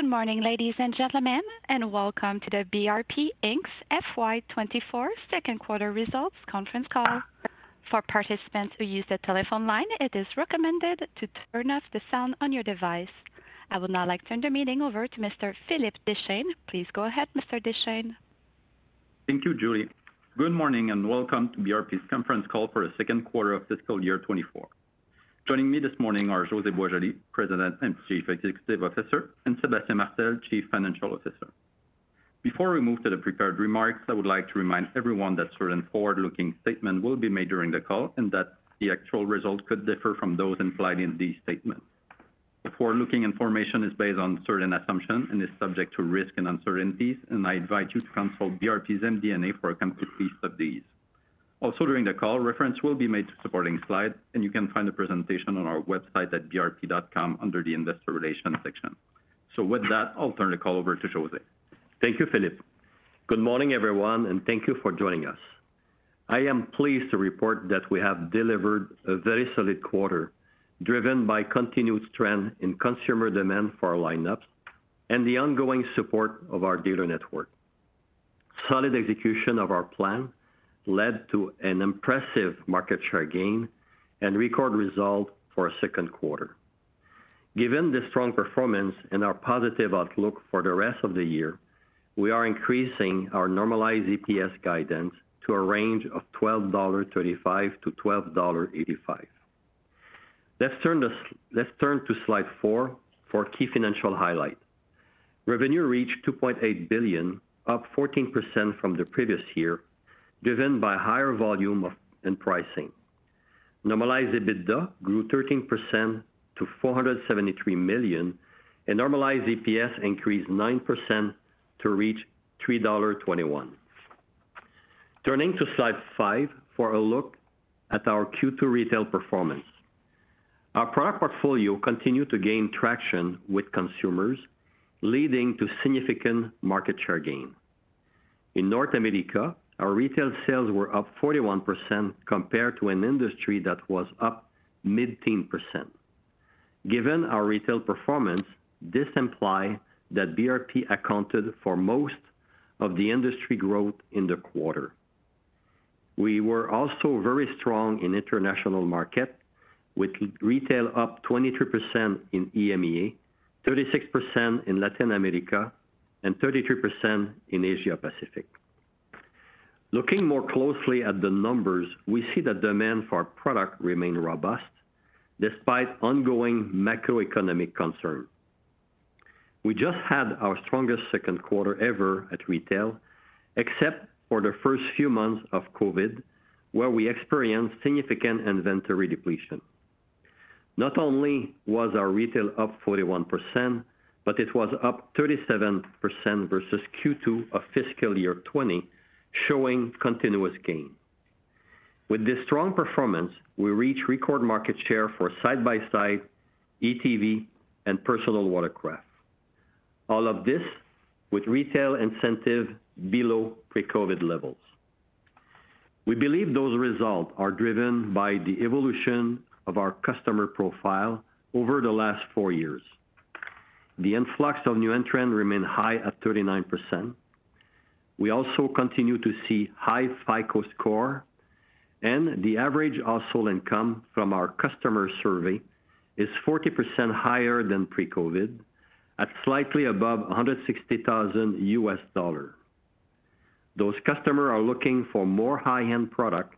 Good morning, ladies and gentlemen, and welcome to the BRP Inc.'s FY 2024 second quarter results conference call. For participants who use the telephone line, it is recommended to turn off the sound on your device. I would now like to turn the meeting over to Mr. Philippe Deschênes. Please go ahead, Mr. Deschênes. Thank you, Julie. Good morning, and welcome to BRP's conference call for the second quarter of fiscal year 2024. Joining me this morning are José Boisjoli, President and Chief Executive Officer, and Sébastien Martel, Chief Financial Officer. Before we move to the prepared remarks, I would like to remind everyone that certain forward-looking statements will be made during the call and that the actual results could differ from those implied in these statements. The forward-looking information is based on certain assumptions and is subject to risks and uncertainties, and I invite you to consult BRP's MD&A for a complete list of these. Also, during the call, reference will be made to supporting slides, and you can find the presentation on our website at brp.com under the Investor Relations section. So with that, I'll turn the call over to José. Thank you, Philippe. Good morning, everyone, and thank you for joining us. I am pleased to report that we have delivered a very solid quarter, driven by continued trend in consumer demand for our lineups and the ongoing support of our dealer network. Solid execution of our plan led to an impressive market share gain and record result for a second quarter. Given this strong performance and our positive outlook for the rest of the year, we are increasing our normalized EPS guidance to a range of 12.35-12.85 dollars. Let's turn to slide 4 for key financial highlight. Revenue reached 2.8 billion, up 14% from the previous year, driven by higher volume and pricing. Normalized EBITDA grew 13% to 473 million, and normalized EPS increased 9% to reach 3.21 dollar. Turning to slide 5 for a look at our Q2 retail performance. Our product portfolio continued to gain traction with consumers, leading to significant market share gain. In North America, our retail sales were up 41% compared to an industry that was up mid-teen %. Given our retail performance, this implies that BRP accounted for most of the industry growth in the quarter. We were also very strong in international markets, with retail up 23% in EMEA, 36% in Latin America, and 33% in Asia Pacific. Looking more closely at the numbers, we see that demand for our products remains robust despite ongoing macroeconomic concerns. We just had our strongest second quarter ever at retail, except for the first few months of COVID, where we experienced significant inventory depletion. Not only was our retail up 41%, but it was up 37% versus Q2 of fiscal year 2020, showing continuous gain. With this strong performance, we reach record market share for side-by-side, ATV, and personal watercraft. All of this with retail incentive below pre-COVID levels. We believe those results are driven by the evolution of our customer profile over the last four years. The influx of new entrants remain high at 39%. We also continue to see high FICO score, and the average household income from our customer survey is 40% higher than pre-COVID, at slightly above $160,000. Those customers are looking for more high-end product,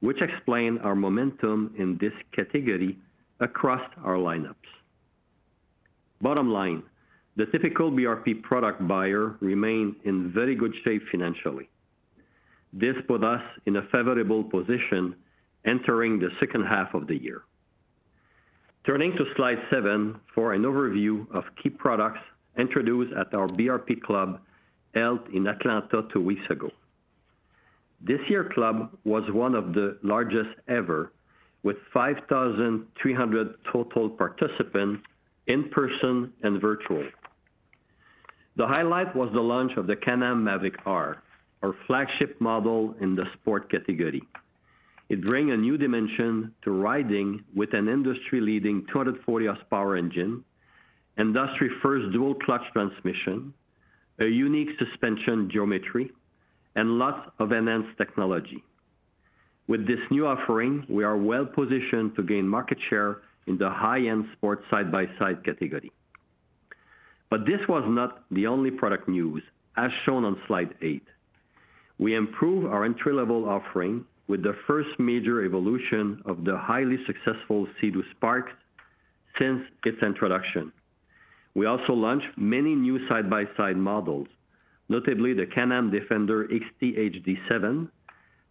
which explain our momentum in this category across our lineups. Bottom line, the typical BRP product buyer remain in very good shape financially. This put us in a favorable position entering the second half of the year. Turning to slide 7 for an overview of key products introduced at our BRP Club, held in Atlanta 2 weeks ago. This year's club was one of the largest ever, with 5,300 total participants in person and virtual. The highlight was the launch of the Can-Am Maverick R, our flagship model in the sport category. It bring a new dimension to riding with an industry-leading 240 horsepower engine, industry-first dual clutch transmission, a unique suspension geometry, and lots of enhanced technology. With this new offering, we are well positioned to gain market share in the high-end sports side-by-side category. This was not the only product news, as shown on slide 8. We improve our entry-level offering with the first major evolution of the highly successful Sea-Doo Spark since its introduction. We also launched many new side-by-side models, notably the Can-Am Defender XT HD7,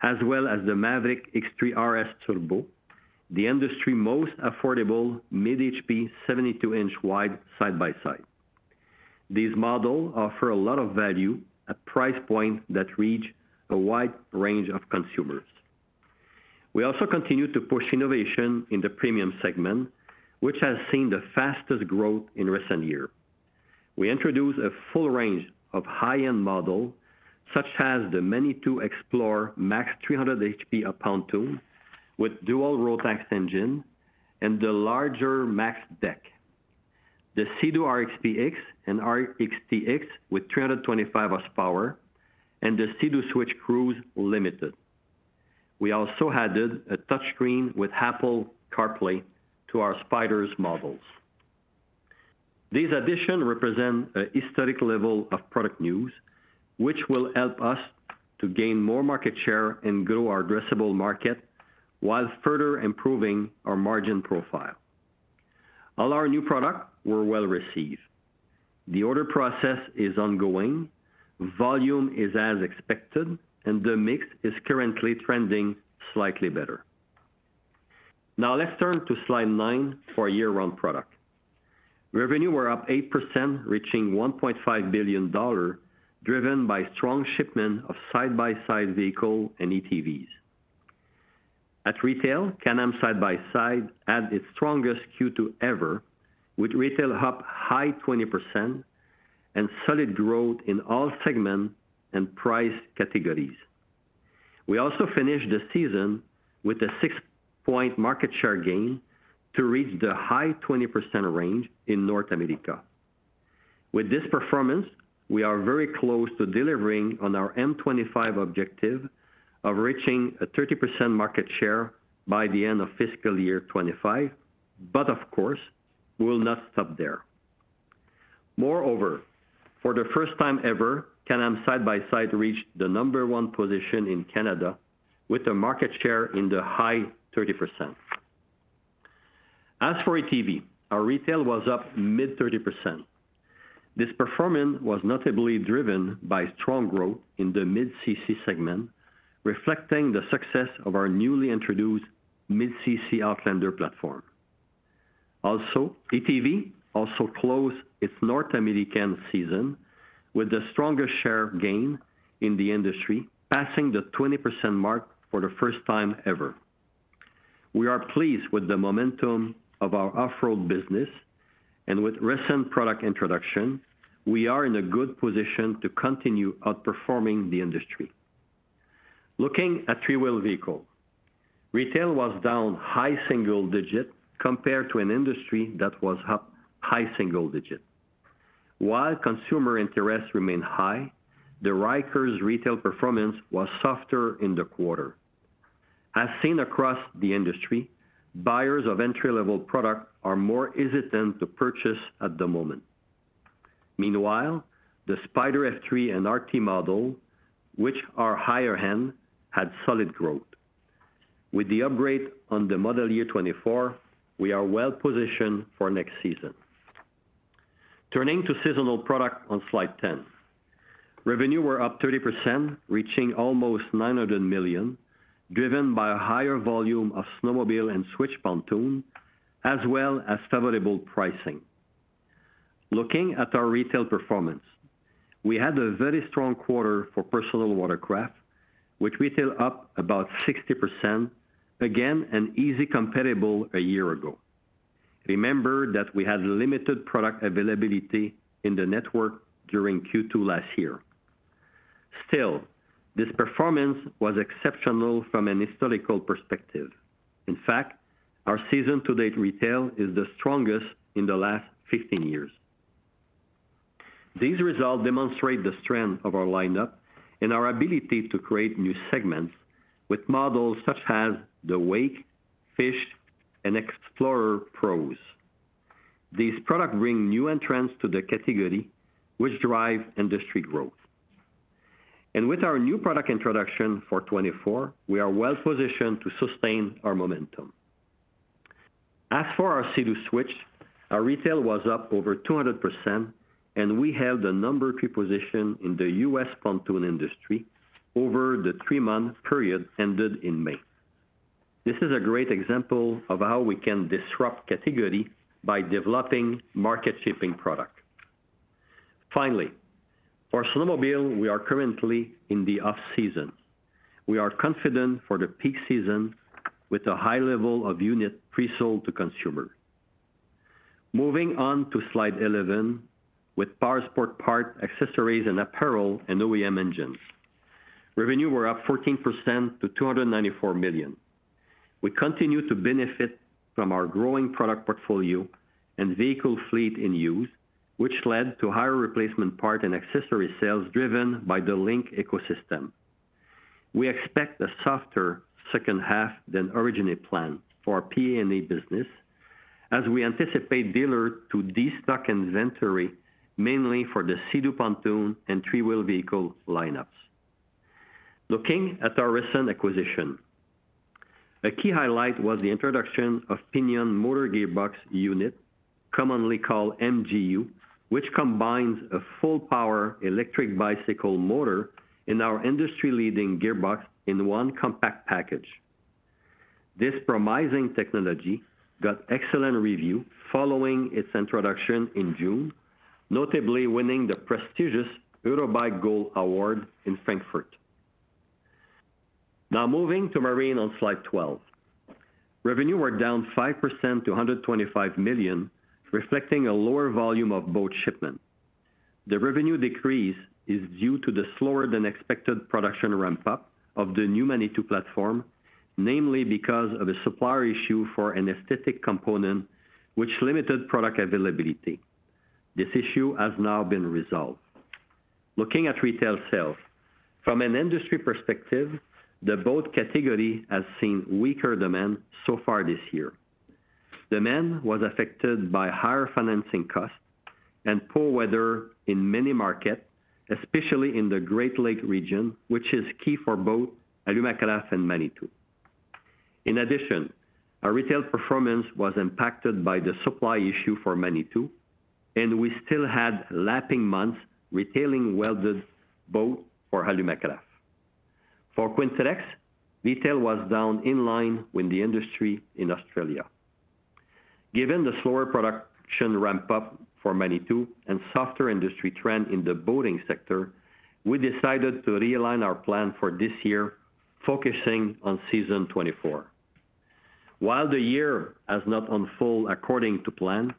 as well as the Can-Am Maverick X3 RS Turbo, the industry most affordable mid-HP, 72-inch wide side-by-side. These models offer a lot of value at price point that reach a wide range of consumers. We also continue to push innovation in the premium segment, which has seen the fastest growth in recent years. We introduced a full range of high-end models, such as the Manitou Explore MAX 300 HP pontoon with dual Rotax engine and the larger MAX Deck. The Sea-Doo RXP-X and RXT-X with 325 horsepower, and the Sea-Doo Switch Cruise Limited. We also added a touchscreen with Apple CarPlay to our Spyder models. These additions represent a historic level of product news, which will help us to gain more market share and grow our addressable market, while further improving our margin profile. All our new products were well received. The order process is ongoing, volume is as expected, and the mix is currently trending slightly better. Now let's turn to slide nine for year-round product. Revenue was up 8%, reaching 1.5 billion dollar, driven by strong shipments of side-by-side vehicles and ATVs. At retail, Can-Am side-by-side had its strongest Q2 ever, with retail up high 20% and solid growth in all segments and price categories. We also finished the season with a 6-point market share gain to reach the high 20% range in North America. With this performance, we are very close to delivering on our M25 objective of reaching a 30% market share by the end of fiscal year 2025, but of course, we will not stop there. Moreover, for the first time ever, Can-Am side-by-side reached the number one position in Canada with a market share in the high 30%. As for ATV, our retail was up mid-30%. This performance was notably driven by strong growth in the mid-CC segment, reflecting the success of our newly introduced mid-CC Outlander platform. Also, ATV also closed its North American season with the strongest share gain in the industry, passing the 20% mark for the first time ever. We are pleased with the momentum of our off-road business, and with recent product introduction, we are in a good position to continue outperforming the industry. Looking at three-wheel vehicle, retail was down high single digit compared to an industry that was up high single digit. While consumer interest remained high, the Ryker's retail performance was softer in the quarter. As seen across the industry, buyers of entry-level product are more hesitant to purchase at the moment. Meanwhile, the Spyder F3 and RT model, which are higher end, had solid growth. With the upgrade on the model year 2024, we are well positioned for next season. Turning to seasonal product on slide 10. Revenue were up 30%, reaching almost 900 million, driven by a higher volume of snowmobile and Switch pontoon, as well as favorable pricing. Looking at our retail performance, we had a very strong quarter for personal watercraft, which retailed up about 60%. Again, an easy comparable a year ago. Remember that we had limited product availability in the network during Q2 last year. Still, this performance was exceptional from a historical perspective. In fact, our season-to-date retail is the strongest in the last 15 years. These results demonstrate the strength of our lineup and our ability to create new segments with models such as the WAKE, FishPro, and Explorer Pro. These products bring new entrants to the category, which drive industry growth. And with our new product introduction for 2024, we are well positioned to sustain our momentum. As for our Sea-Doo Switch, our retail was up over 200%, and we have the number two position in the U.S. pontoon industry over the three-month period ended in May. This is a great example of how we can disrupt category by developing market-shaping products. Finally, for snowmobile, we are currently in the off-season. We are confident for the peak season with a high level of unit pre-sold to consumer. Moving on to slide 11, with Powersport parts, accessories, and apparel, and OEM engines. Revenue were up 14% to 294 million. We continue to benefit from our growing product portfolio and vehicle fleet in use, which led to higher replacement part and accessory sales driven by the LinQ ecosystem. We expect a softer second half than originally planned for our P&A business, as we anticipate dealer to destock inventory, mainly for the Sea-Doo Pontoon and three-wheel vehicle lineups. Looking at our recent acquisition, a key highlight was the introduction of Pinion Motor Gearbox Unit, commonly called MGU, which combines a full power electric bicycle motor in our industry-leading gearbox in one compact package. This promising technology got excellent review following its introduction in June, notably winning the prestigious Eurobike Gold Award in Frankfurt. Now moving to Marine on slide 12. Revenue were down 5% to 125 million, reflecting a lower volume of boat shipment. The revenue decrease is due to the slower than expected production ramp-up of the new Manitou platform, namely because of a supplier issue for an aesthetic component which limited product availability. This issue has now been resolved. Looking at retail sales, from an industry perspective, the boat category has seen weaker demand so far this year. Demand was affected by higher financing costs and poor weather in many markets, especially in the Great Lakes region, which is key for both Alumacraft and Manitou. In addition, our retail performance was impacted by the supply issue for Manitou, and we still had lapping months retailing welded boat for Alumacraft. For Quintrex, retail was down in line with the industry in Australia. Given the slower production ramp-up for Manitou and softer industry trend in the boating sector, we decided to realign our plan for this year, focusing on FY24. While the year has not unfold according to plan,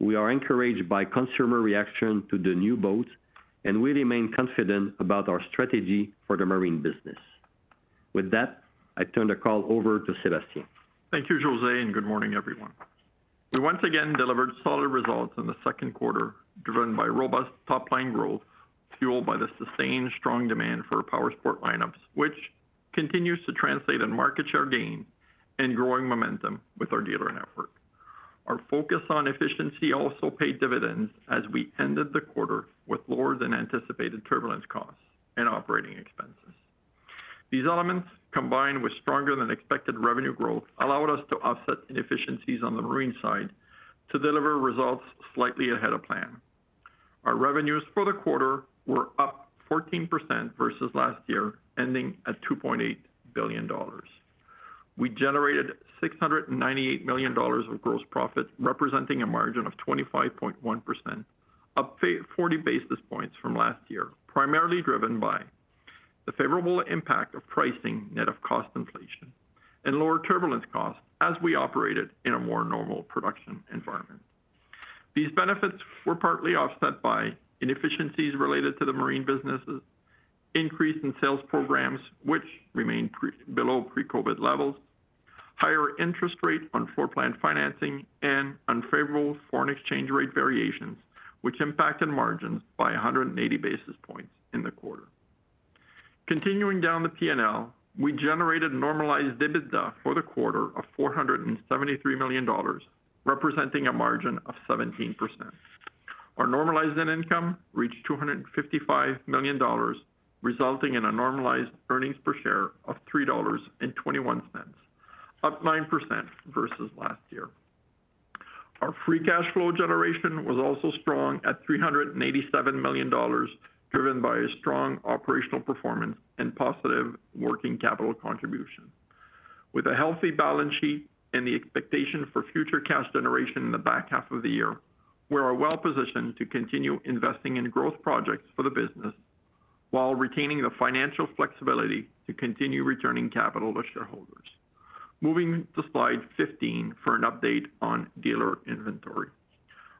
we are encouraged by consumer reaction to the new boat, and we remain confident about our strategy for the marine business. With that, I turn the call over to Sébastien. Thank you, José, and good morning, everyone. We once again delivered solid results in the second quarter, driven by robust top-line growth, fueled by the sustained strong demand for our Powersport lineups, which continues to translate in market share gain and growing momentum with our dealer network. Our focus on efficiency also paid dividends as we ended the quarter with lower than anticipated turbulence costs and operating expenses. These elements, combined with stronger than expected revenue growth, allowed us to offset inefficiencies on the marine side to deliver results slightly ahead of plan. Our revenues for the quarter were up 14% versus last year, ending at 2.8 billion dollars. We generated 698 million dollars of gross profit, representing a margin of 25.1%, up 40 basis points from last year, primarily driven by the favorable impact of pricing net of cost inflation and lower turbulence costs as we operated in a more normal production environment. These benefits were partly offset by inefficiencies related to the marine businesses, increase in sales programs, which remained below pre-COVID levels, higher interest rates on floor plan financing, and unfavorable foreign exchange rate variations, which impacted margins by 180 basis points in the quarter. Continuing down the P&L, we generated normalized EBITDA for the quarter of 473 million dollars, representing a margin of 17%. Our normalized net income reached 255 million dollars, resulting in a normalized earnings per share of 3.21 dollars, up 9% versus last year. Our free cash flow generation was also strong at 387 million dollars, driven by a strong operational performance and positive working capital contribution. With a healthy balance sheet and the expectation for future cash generation in the back half of the year, we are well positioned to continue investing in growth projects for the business while retaining the financial flexibility to continue returning capital to shareholders. Moving to slide 15 for an update on dealer inventory.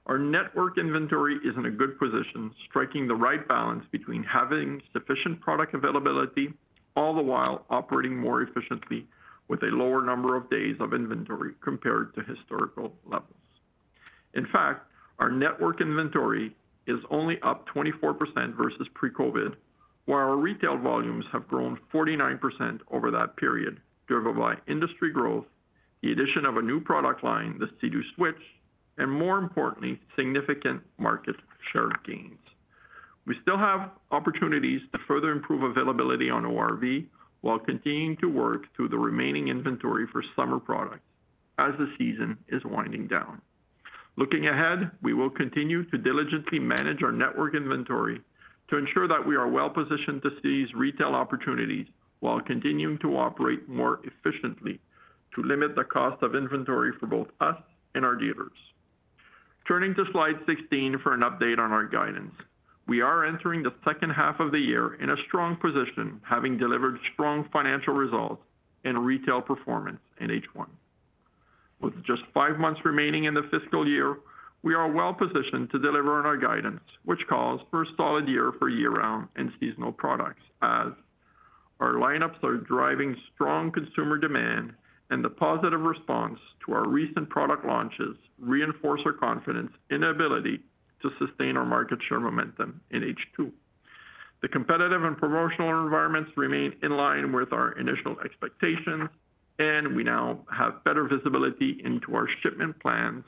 Our network inventory is in a good position, striking the right balance between having sufficient product availability, all the while operating more efficiently with a lower number of days of inventory compared to historical levels. In fact, our network inventory is only up 24% versus pre-COVID, while our retail volumes have grown 49% over that period, driven by industry growth, the addition of a new product line, the Sea-Doo Switch, and more importantly, significant market share gains. We still have opportunities to further improve availability on ORV while continuing to work through the remaining inventory for summer products as the season is winding down. Looking ahead, we will continue to diligently manage our network inventory to ensure that we are well positioned to seize retail opportunities while continuing to operate more efficiently, to limit the cost of inventory for both us and our dealers. Turning to slide 16 for an update on our guidance. We are entering the second half of the year in a strong position, having delivered strong financial results and retail performance in H1. With just five months remaining in the fiscal year, we are well positioned to deliver on our guidance, which calls for a solid year for year-round and seasonal products, as our lineups are driving strong consumer demand, and the positive response to our recent product launches reinforce our confidence in the ability to sustain our market share momentum in H2. The competitive and promotional environments remain in line with our initial expectations, and we now have better visibility into our shipment plans,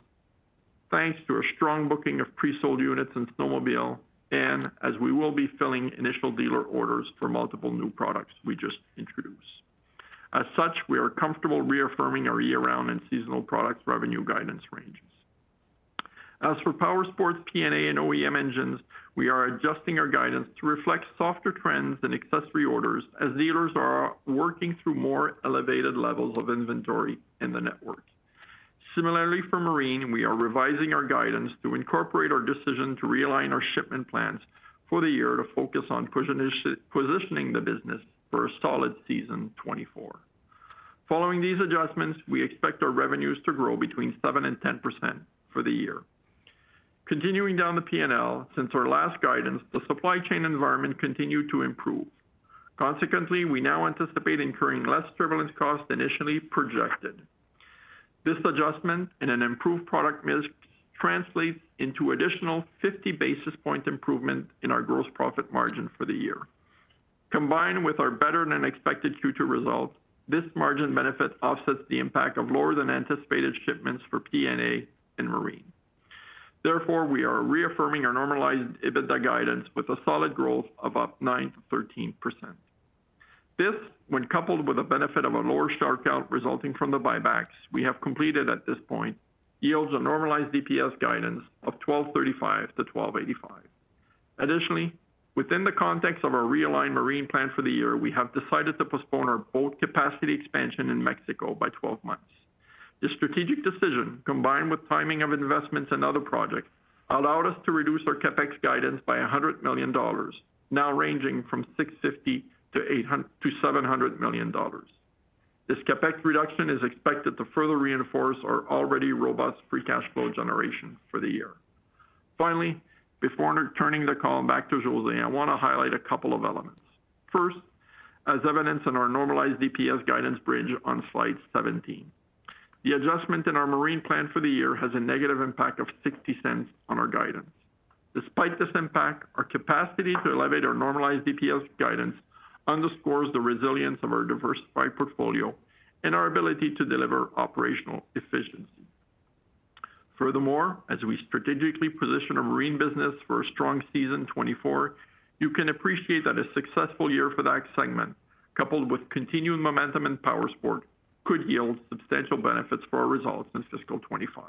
thanks to a strong booking of pre-sold units in snowmobile, and as we will be filling initial dealer orders for multiple new products we just introduced. As such, we are comfortable reaffirming our year-round and seasonal products revenue guidance ranges. As for Powersports, P&A, and OEM engines, we are adjusting our guidance to reflect softer trends in accessory orders as dealers are working through more elevated levels of inventory in the network. Similarly, for Marine, we are revising our guidance to incorporate our decision to realign our shipment plans for the year to focus on positioning the business for a solid season 2024. Following these adjustments, we expect our revenues to grow between 7% and 10% for the year. Continuing down the P&L, since our last guidance, the supply chain environment continued to improve. Consequently, we now anticipate incurring less turbulence costs than initially projected. This adjustment and an improved product mix translates into additional 50 basis point improvement in our gross profit margin for the year. Combined with our better-than-expected Q2 results, this margin benefit offsets the impact of lower-than-anticipated shipments for P&A and Marine. Therefore, we are reaffirming our normalized EBITDA guidance with a solid growth of 9%-13%. This, when coupled with the benefit of a lower share count resulting from the buybacks we have completed at this point, yields a normalized EPS guidance of 12.35-12.85. Additionally, within the context of our realigned marine plan for the year, we have decided to postpone our boat capacity expansion in Mexico by 12 months. This strategic decision, combined with timing of investments and other projects, allowed us to reduce our CapEx guidance by 100 million dollars, now ranging from 650 million-700 million dollars. This CapEx reduction is expected to further reinforce our already robust free cash flow generation for the year. Finally, before turning the call back to José, I want to highlight a couple of elements. First, as evidenced in our normalized EPS guidance bridge on slide 17, the adjustment in our marine plan for the year has a negative impact of 0.60 on our guidance. Despite this impact, our capacity to elevate our normalized EPS guidance underscores the resilience of our diversified portfolio and our ability to deliver operational efficiency. Furthermore, as we strategically position our marine business for a strong season 2024, you can appreciate that a successful year for that segment, coupled with continuing momentum in powersports, could yield substantial benefits for our results in fiscal 2025.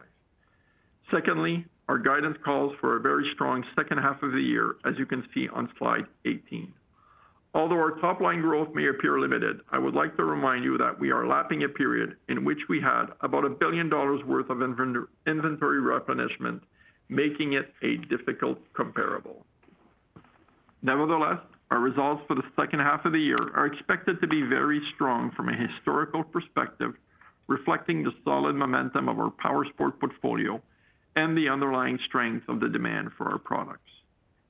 Secondly, our guidance calls for a very strong second half of the year, as you can see on slide 18. Although our top-line growth may appear limited, I would like to remind you that we are lapping a period in which we had about 1 billion dollars worth of inventory replenishment, making it a difficult comparable. Nevertheless, our results for the second half of the year are expected to be very strong from a historical perspective, reflecting the solid momentum of our powersport portfolio and the underlying strength of the demand for our products.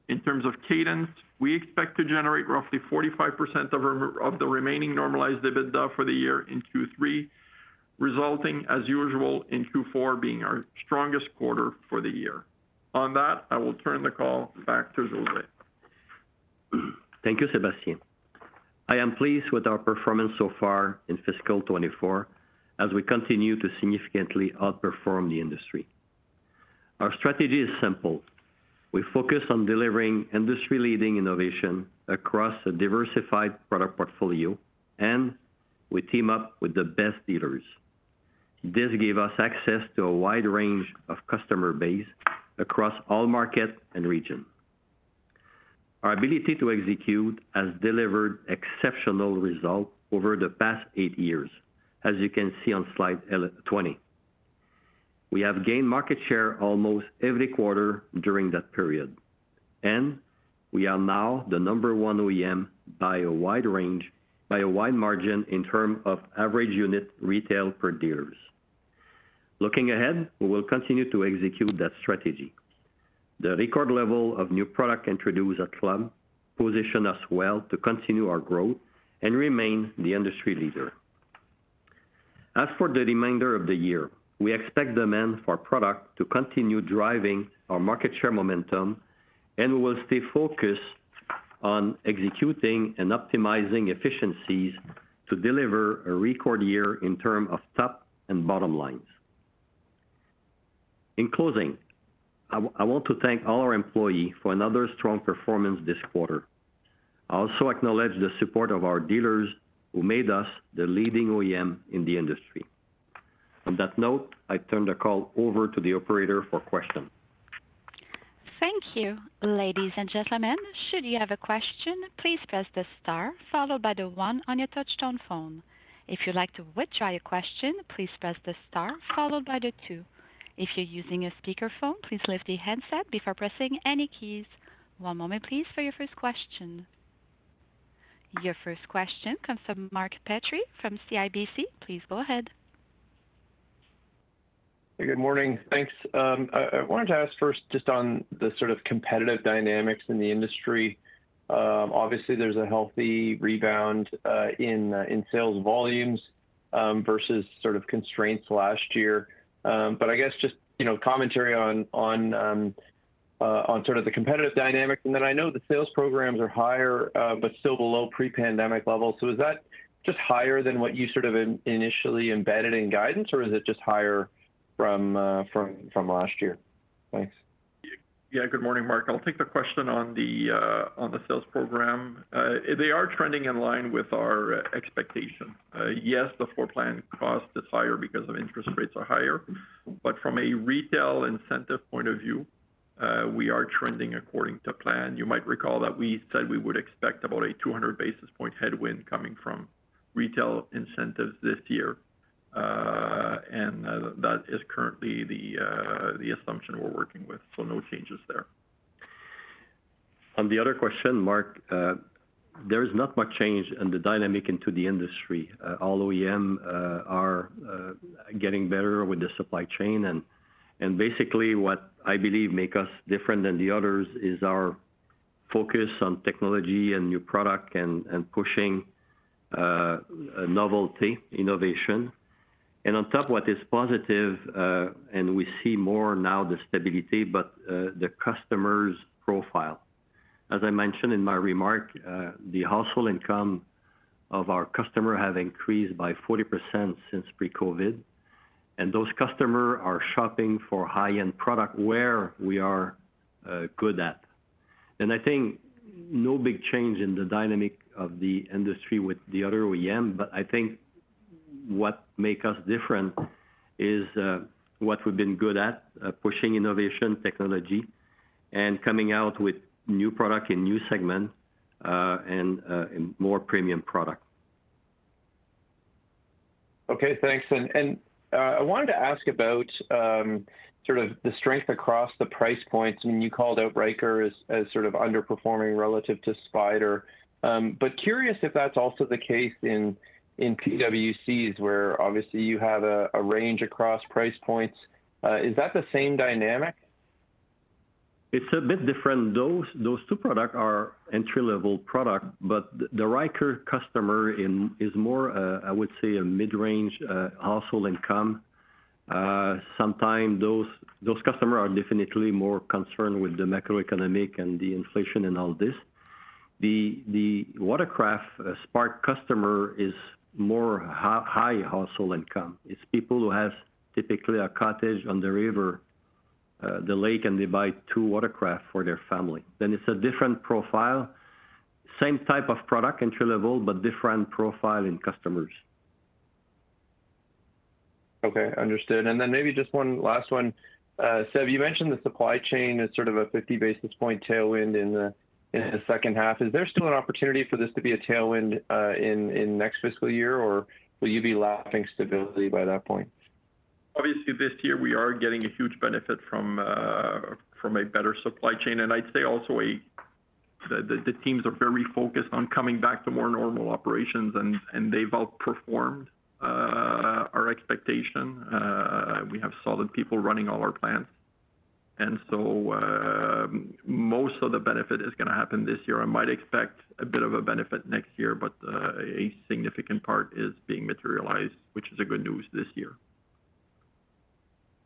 In terms of cadence, we expect to generate roughly 45% of the remaining normalized EBITDA for the year in Q3, resulting, as usual, in Q4 being our strongest quarter for the year. On that, I will turn the call back to José. Thank you, Sébastien. I am pleased with our performance so far in fiscal 2024 as we continue to significantly outperform the industry. Our strategy is simple: We focus on delivering industry-leading innovation across a diversified product portfolio, and we team up with the best dealers. This gives us access to a wide range of customer base across all markets and regions. Our ability to execute has delivered exceptional results over the past eight years, as you can see on slide 11-20. We have gained market share almost every quarter during that period, and we are now the number one OEM by a wide margin in terms of average unit retail per dealer. Looking ahead, we will continue to execute that strategy. The record level of new product introduced at Club positions us well to continue our growth and remain the industry leader. As for the remainder of the year, we expect demand for our product to continue driving our market share momentum, and we will stay focused on executing and optimizing efficiencies to deliver a record year in terms of top and bottom lines. In closing, I want to thank all our employees for another strong performance this quarter. I also acknowledge the support of our dealers who made us the leading OEM in the industry. On that note, I turn the call over to the operator for questions. Thank you. Ladies and gentlemen, should you have a question, please press the star followed by the one on your touchtone phone. If you'd like to withdraw your question, please press the star followed by the two. If you're using a speakerphone, please lift the handset before pressing any keys. One moment, please, for your first question. Your first question comes from Mark Petrie from CIBC. Please go ahead. Good morning. Thanks. I wanted to ask first just on the sort of competitive dynamics in the industry. Obviously, there's a healthy rebound in sales volumes versus sort of constraints last year. But I guess just, you know, commentary on sort of the competitive dynamic. And then I know the sales programs are higher, but still below pre-pandemic levels. So is that just higher than what you sort of initially embedded in guidance, or is it just higher from last year? Thanks. Yeah. Good morning, Mark. I'll take the question on the, on the sales program. They are trending in line with our expectations. Yes, the floor plan cost is higher because of interest rates are higher, but from a retail incentive point of view, we are trending according to plan. You might recall that we said we would expect about a 200 basis point headwind coming from retail incentives this year, and, that is currently the, the assumption we're working with, so no changes there. On the other question, Mark, there is not much change in the dynamic into the industry. All OEM are getting better with the supply chain. And basically, what I believe make us different than the others, is our focus on technology and new product and pushing a novelty, innovation. And on top, what is positive and we see more now, the stability, but the customer's profile. As I mentioned in my remark, the household income of our customer have increased by 40% since pre-COVID, and those customer are shopping for high-end product, where we are good at. And I think no big change in the dynamic of the industry with the other OEM, but I think what make us different is what we've been good at, pushing innovation, technology, and coming out with new product in new segment, and in more premium product. Okay, thanks. I wanted to ask about sort of the strength across the price points. I mean, you called out Ryker as sort of underperforming relative to Spyder. But curious if that's also the case in PWC, where obviously you have a range across price points. Is that the same dynamic? It's a bit different. Those two products are entry-level products, but the Ryker customer is more, I would say, a mid-range household income. Sometimes those customers are definitely more concerned with the macroeconomic and the inflation and all this. The Watercraft Spark customer is more high household income. It's people who have typically a cottage on the river, the lake, and they buy two Watercraft for their family. Then it's a different profile. Same type of product, entry level, but different profile in customers. Okay, understood. And then maybe just one last one. So you mentioned the supply chain as sort of a 50 basis point tailwind in the second half. Is there still an opportunity for this to be a tailwind in next fiscal year, or will you be lacking stability by that point? Obviously, this year we are getting a huge benefit from a better supply chain. And I'd say also the teams are very focused on coming back to more normal operations, and they've outperformed our expectation. We have solid people running all our plants, and so, most of the benefit is gonna happen this year. I might expect a bit of a benefit next year, but a significant part is being materialized, which is a good news this year.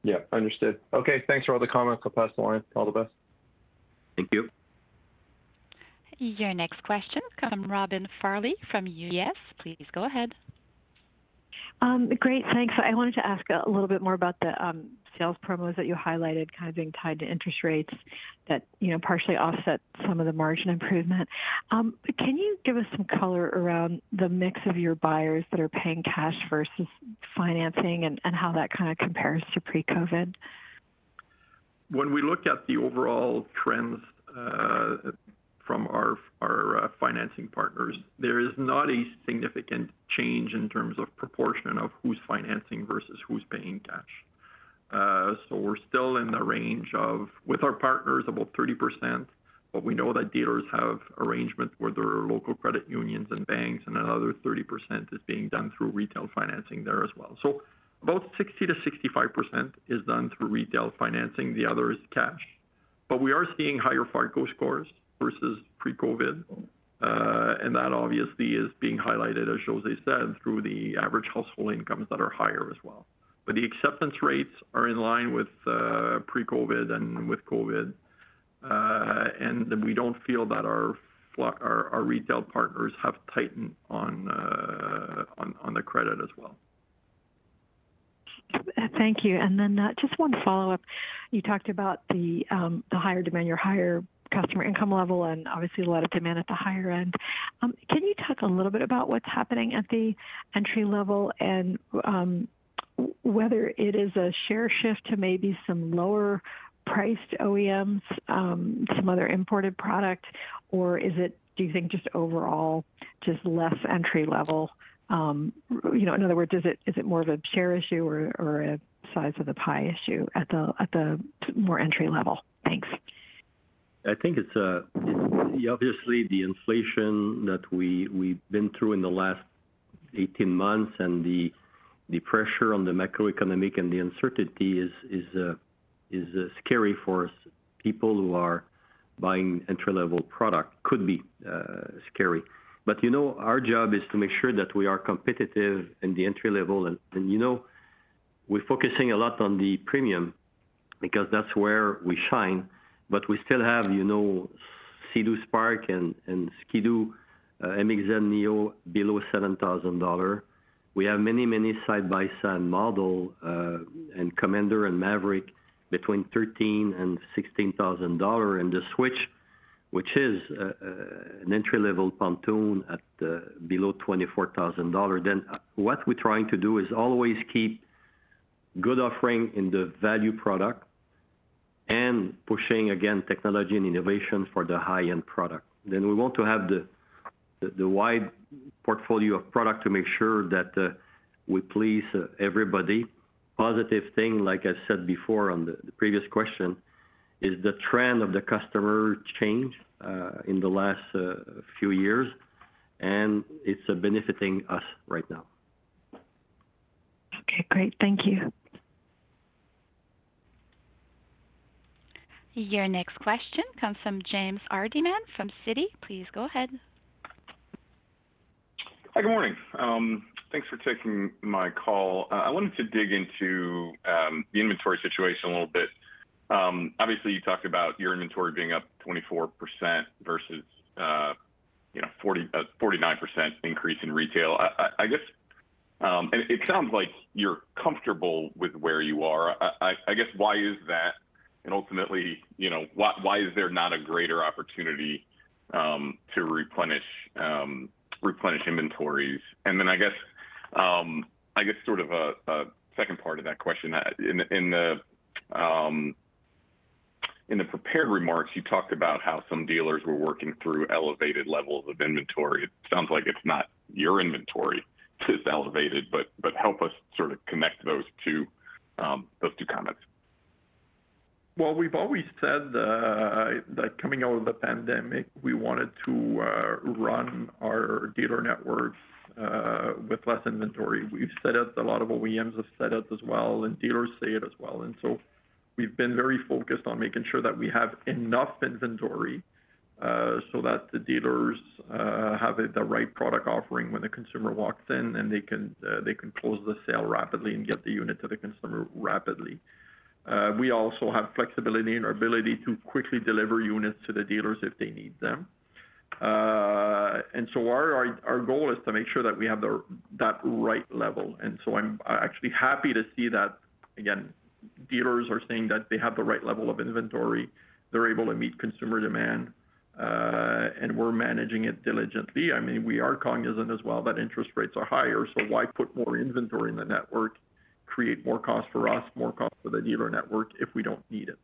Yeah, understood. Okay, thanks for all the comments, All the best. Thank you. Your next question comes from Robin Farley from UBS. Please go ahead. Great, thanks. I wanted to ask a little bit more about the sales promos that you highlighted, kind of being tied to interest rates that, you know, partially offset some of the margin improvement. But can you give us some color around the mix of your buyers that are paying cash versus financing, and how that kind of compares to pre-COVID? When we look at the overall trends from our financing partners, there is not a significant change in terms of proportion of who's financing versus who's paying cash. So we're still in the range of, with our partners, about 30%, but we know that dealers have arrangements with their local credit unions and banks, and another 30% is being done through retail financing there as well. So about 60%-65% is done through retail financing, the other is cash. But we are seeing higher FICO scores versus pre-COVID, and that obviously is being highlighted, as José said, through the average household incomes that are higher as well. But the acceptance rates are in line with pre-COVID and with COVID. And we don't feel that our retail partners have tightened on the credit as well. Thank you. And then, just one follow-up. You talked about the higher demand, your higher customer income level, and obviously a lot of demand at the higher end. Can you talk a little bit about what's happening at the entry level and whether it is a share shift to maybe some lower-priced OEMs, some other imported product? Or is it, do you think just overall, just less entry level? You know, in other words, is it more of a share issue or a size of the pie issue at the more entry level? Thanks. I think it's obviously the inflation that we've been through in the last 18 months and the pressure on the macroeconomic and the uncertainty is scary for people who are buying entry-level product. Could be scary. But you know, our job is to make sure that we are competitive in the entry level. And you know, we're focusing a lot on the premium because that's where we shine. But we still have, you know, Sea-Doo Spark and Ski-Doo MXZ Neo below $7,000. We have many, many side-by-side model and Commander and Maverick between $13,000 and $16,000. And the Switch, which is an entry-level pontoon at below $24,000. Then, what we're trying to do is always keep good offering in the value product and pushing, again, technology and innovation for the high-end product. Then we want to have the- the wide portfolio of product to make sure that we please everybody. Positive thing, like I said before on the previous question, is the trend of the customer change in the last few years, and it's benefiting us right now. Okay, great. Thank you. Your next question comes from James Hardiman from Citi. Please go ahead. Hi, good morning. Thanks for taking my call. I wanted to dig into the inventory situation a little bit. Obviously, you talked about your inventory being up 24% versus, you know, 49% increase in retail. I guess and it sounds like you're comfortable with where you are. I guess, why is that? And ultimately, you know, why, why is there not a greater opportunity to replenish inventories? And then, I guess sort of a second part of that question. In the prepared remarks, you talked about how some dealers were working through elevated levels of inventory. It sounds like it's not your inventory that's elevated, but help us sort of connect those two comments. Well, we've always said that coming out of the pandemic, we wanted to run our dealer networks with less inventory. We've set up, a lot of OEMs have set up as well, and dealers say it as well. And so we've been very focused on making sure that we have enough inventory so that the dealers have the right product offering when the consumer walks in, and they can close the sale rapidly and get the unit to the consumer rapidly. We also have flexibility in our ability to quickly deliver units to the dealers if they need them. And so our goal is to make sure that we have that right level. I'm actually happy to see that, again, dealers are saying that they have the right level of inventory, they're able to meet consumer demand, and we're managing it diligently. I mean, we are cognizant as well that interest rates are higher, so why put more inventory in the network, create more costs for us, more costs for the dealer network if we don't need it?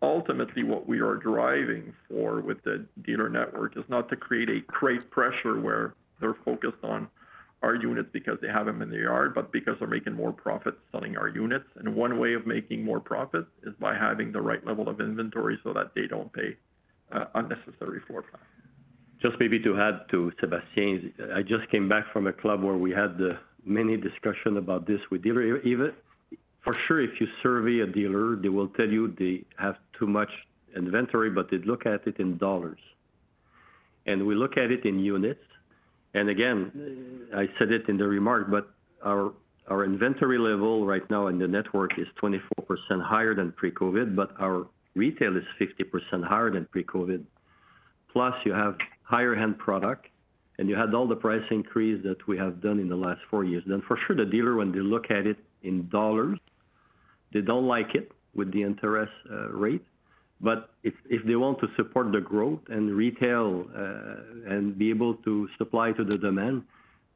Ultimately, what we are driving for with the dealer network is not to create great pressure where they're focused on our units because they have them in the yard, but because they're making more profits selling our units. One way of making more profits is by having the right level of inventory so that they don't pay unnecessary floorplan. Just maybe to add to Sébastien's, I just came back from a club where we had the many discussions about this with dealers. Even for sure, if you survey a dealer, they will tell you they have too much inventory, but they look at it in dollars. And we look at it in units, and again, I said it in the remark, but our inventory level right now in the network is 24% higher than pre-COVID, but our retail is 50% higher than pre-COVID. Plus, you have higher-end product, and you had all the price increases that we have done in the last four years. Then for sure, the dealer, when they look at it in dollars, they don't like it with the interest rate. But if they want to support the growth and retail, and be able to supply to the demand,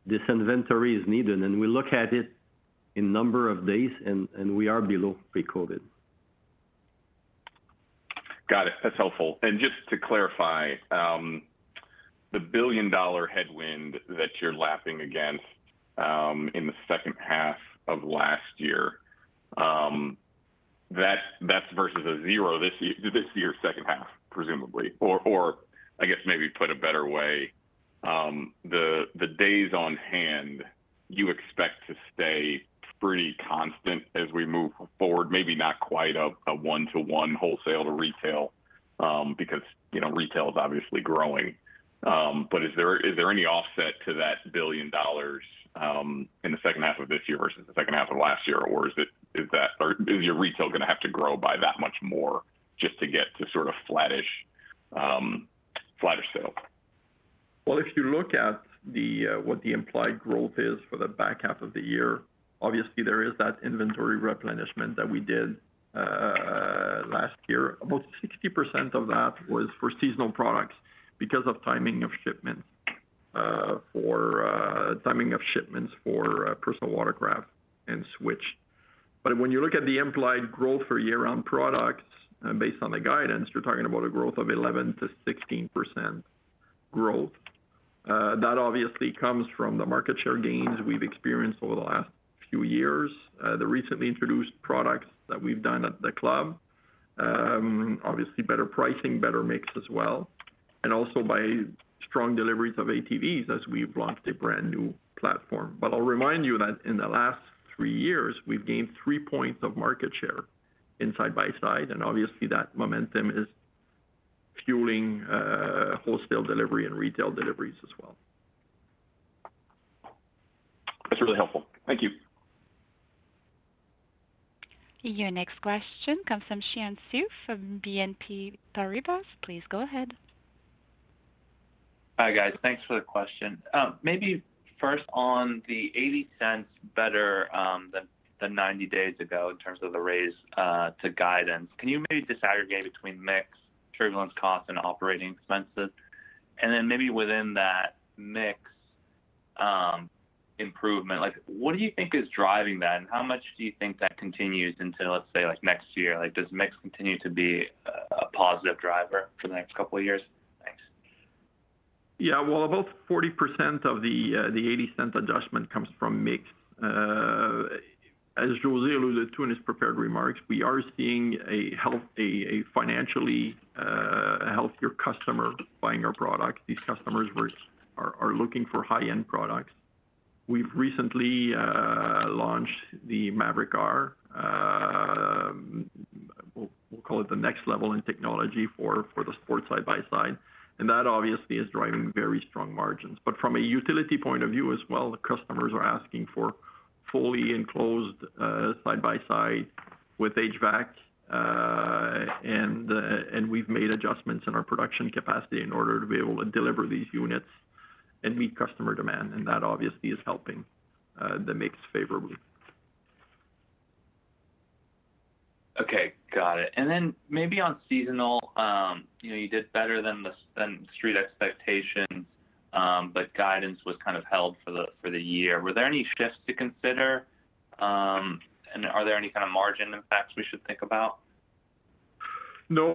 this inventory is needed. And we look at it in number of days, and we are below pre-COVID. Got it. That's helpful. And just to clarify, the billion-dollar headwind that you're lapping against, in the second half of last year, that's versus a zero this year, this year's second half, presumably. Or I guess maybe put a better way, the days on hand, you expect to stay pretty constant as we move forward, maybe not quite a 1-to-1 wholesale to retail, because, you know, retail is obviously growing. But is there any offset to that $1 billion, in the second half of this year versus the second half of last year? Or is it or is your retail gonna have to grow by that much more just to get to sort of flattish, flattish sale? Well, if you look at the what the implied growth is for the back half of the year, obviously there is that inventory replenishment that we did last year. About 60% of that was for seasonal products because of timing of shipments for personal watercraft and switch. But when you look at the implied growth for year-round products based on the guidance, you're talking about a growth of 11%-16% growth. That obviously comes from the market share gains we've experienced over the last few years, the recently introduced products that we've done at the club. Obviously, better pricing, better mix as well, and also by strong deliveries of ATVs as we've launched a brand-new platform. But I'll remind you that in the last three years, we've gained three points of market share in side-by-side, and obviously, that momentum is fueling wholesale delivery and retail deliveries as well. That's really helpful. Thank you. Your next question comes from Xian Siew from BNP Paribas. Please go ahead. Hi, guys. Thanks for the question. Maybe first on the 0.80 better than 90 days ago in terms of the raise to guidance. Can you maybe disaggregate between mix, turbulence costs, and operating expenses? And then maybe within that mix improvement. Like, what do you think is driving that, and how much do you think that continues until, let's say, like, next year? Like, does mix continue to be a positive driver for the next couple of years? Thanks. Yeah, well, about 40% of the 0.80 adjustment comes from mix. As José alluded to in his prepared remarks, we are seeing a healthy, financially healthier customer buying our product. These customers are looking for high-end products. We've recently launched the Maverick R. We'll call it the next level in technology for the sports side-by-side, and that obviously is driving very strong margins. But from a utility point of view as well, the customers are asking for fully enclosed side-by-side with HVAC. And we've made adjustments in our production capacity in order to be able to deliver these units and meet customer demand, and that obviously is helping the mix favorably. Okay, got it. And then maybe on seasonal, you know, you did better than the, than street expectations, but guidance was kind of held for the, for the year. Were there any shifts to consider? And are there any kind of margin impacts we should think about? No,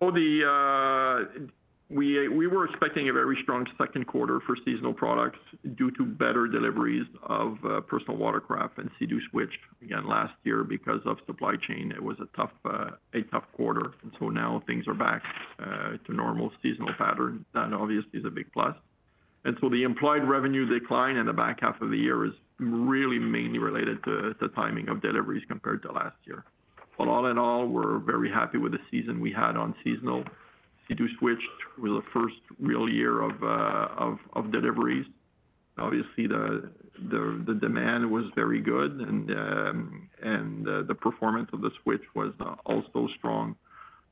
we were expecting a very strong second quarter for seasonal products due to better deliveries of personal watercraft and Sea-Doo Switch. Again, last year, because of supply chain, it was a tough quarter, and so now things are back to normal seasonal pattern. That obviously is a big plus. And so the implied revenue decline in the back half of the year is really mainly related to the timing of deliveries compared to last year. But all in all, we're very happy with the season we had on seasonal. Sea-Doo Switch was the first real year of deliveries. Obviously, the demand was very good and the performance of the Switch was also strong,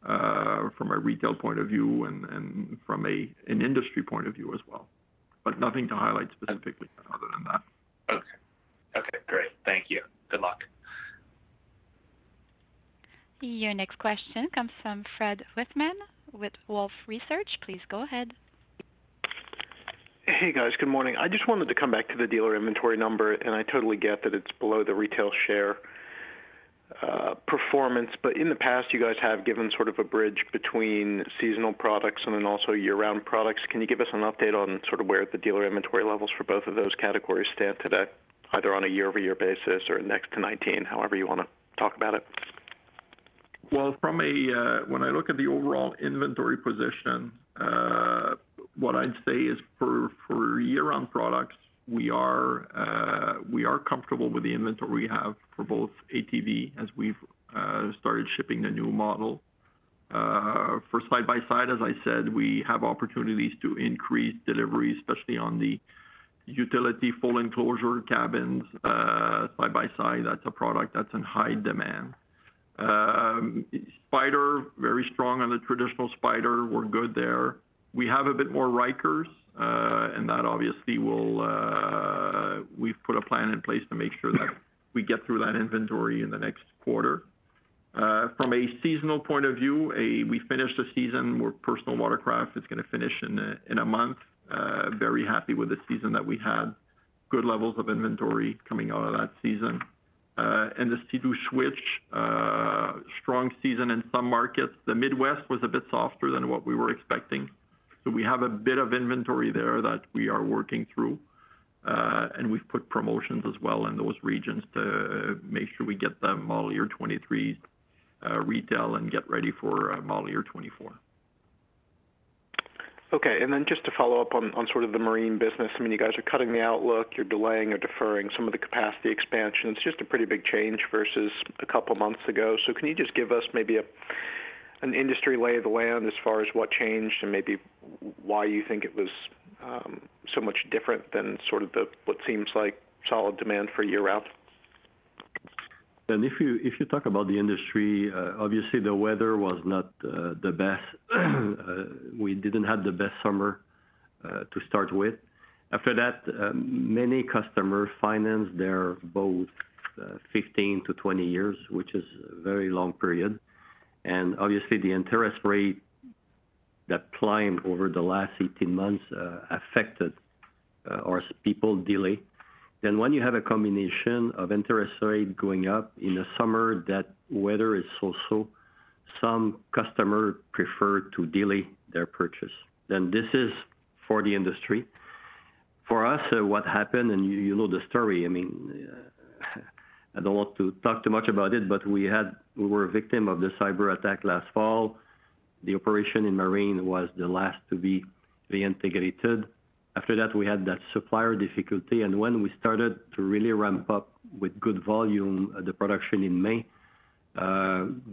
from a retail point of view and from an industry point of view as well, but nothing to highlight specifically other than that. Okay. Okay, great. Thank you. Good luck. Your next question comes from Fred Wightman with Wolfe Research. Please go ahead. Hey, guys. Good morning. I just wanted to come back to the dealer inventory number, and I totally get that it's below the retail share performance, but in the past, you guys have given sort of a bridge between seasonal products and then also year-round products. Can you give us an update on sort of where the dealer inventory levels for both of those categories stand today, either on a year-over-year basis or next to 2019, however you want to talk about it? Well, when I look at the overall inventory position, what I'd say is for year-round products, we are comfortable with the inventory we have for both ATV, as we've started shipping the new model. For side-by-side, as I said, we have opportunities to increase deliveries, especially on the utility, full enclosure cabins, side-by-side. That's a product that's in high demand. Spyder, very strong on the traditional Spyder. We're good there. We have a bit more Rykers, and that obviously will, we've put a plan in place to make sure that we get through that inventory in the next quarter. From a seasonal point of view, we finished the season where personal watercraft is gonna finish in a month. Very happy with the season that we had. Good levels of inventory coming out of that season. And the Sea-Doo Switch, strong season in some markets. The Midwest was a bit softer than what we were expecting, so we have a bit of inventory there that we are working through, and we've put promotions as well in those regions to make sure we get the model year 2023 retail and get ready for model year 2024. Okay, and then just to follow up on sort of the marine business. I mean, you guys are cutting the outlook, you're delaying or deferring some of the capacity expansion. It's just a pretty big change versus a couple months ago. So can you just give us maybe an industry lay of the land as far as what changed and maybe why you think it was so much different than sort of the what seems like solid demand for year out? If you talk about the industry, obviously the weather was not the best. We didn't have the best summer to start with. After that, many customers finance their boat 15-20 years, which is a very long period. And obviously the interest rate that climbed over the last 18 months affected or people delay. Then when you have a combination of interest rate going up in the summer, that weather is also some customer prefer to delay their purchase, then this is for the industry. For us, what happened, and you know the story, I mean, I don't want to talk too much about it, but we were a victim of the cyberattack last fall. The operation in Marine was the last to be reintegrated. After that, we had that supplier difficulty, and when we started to really ramp up with good volume, the production in May,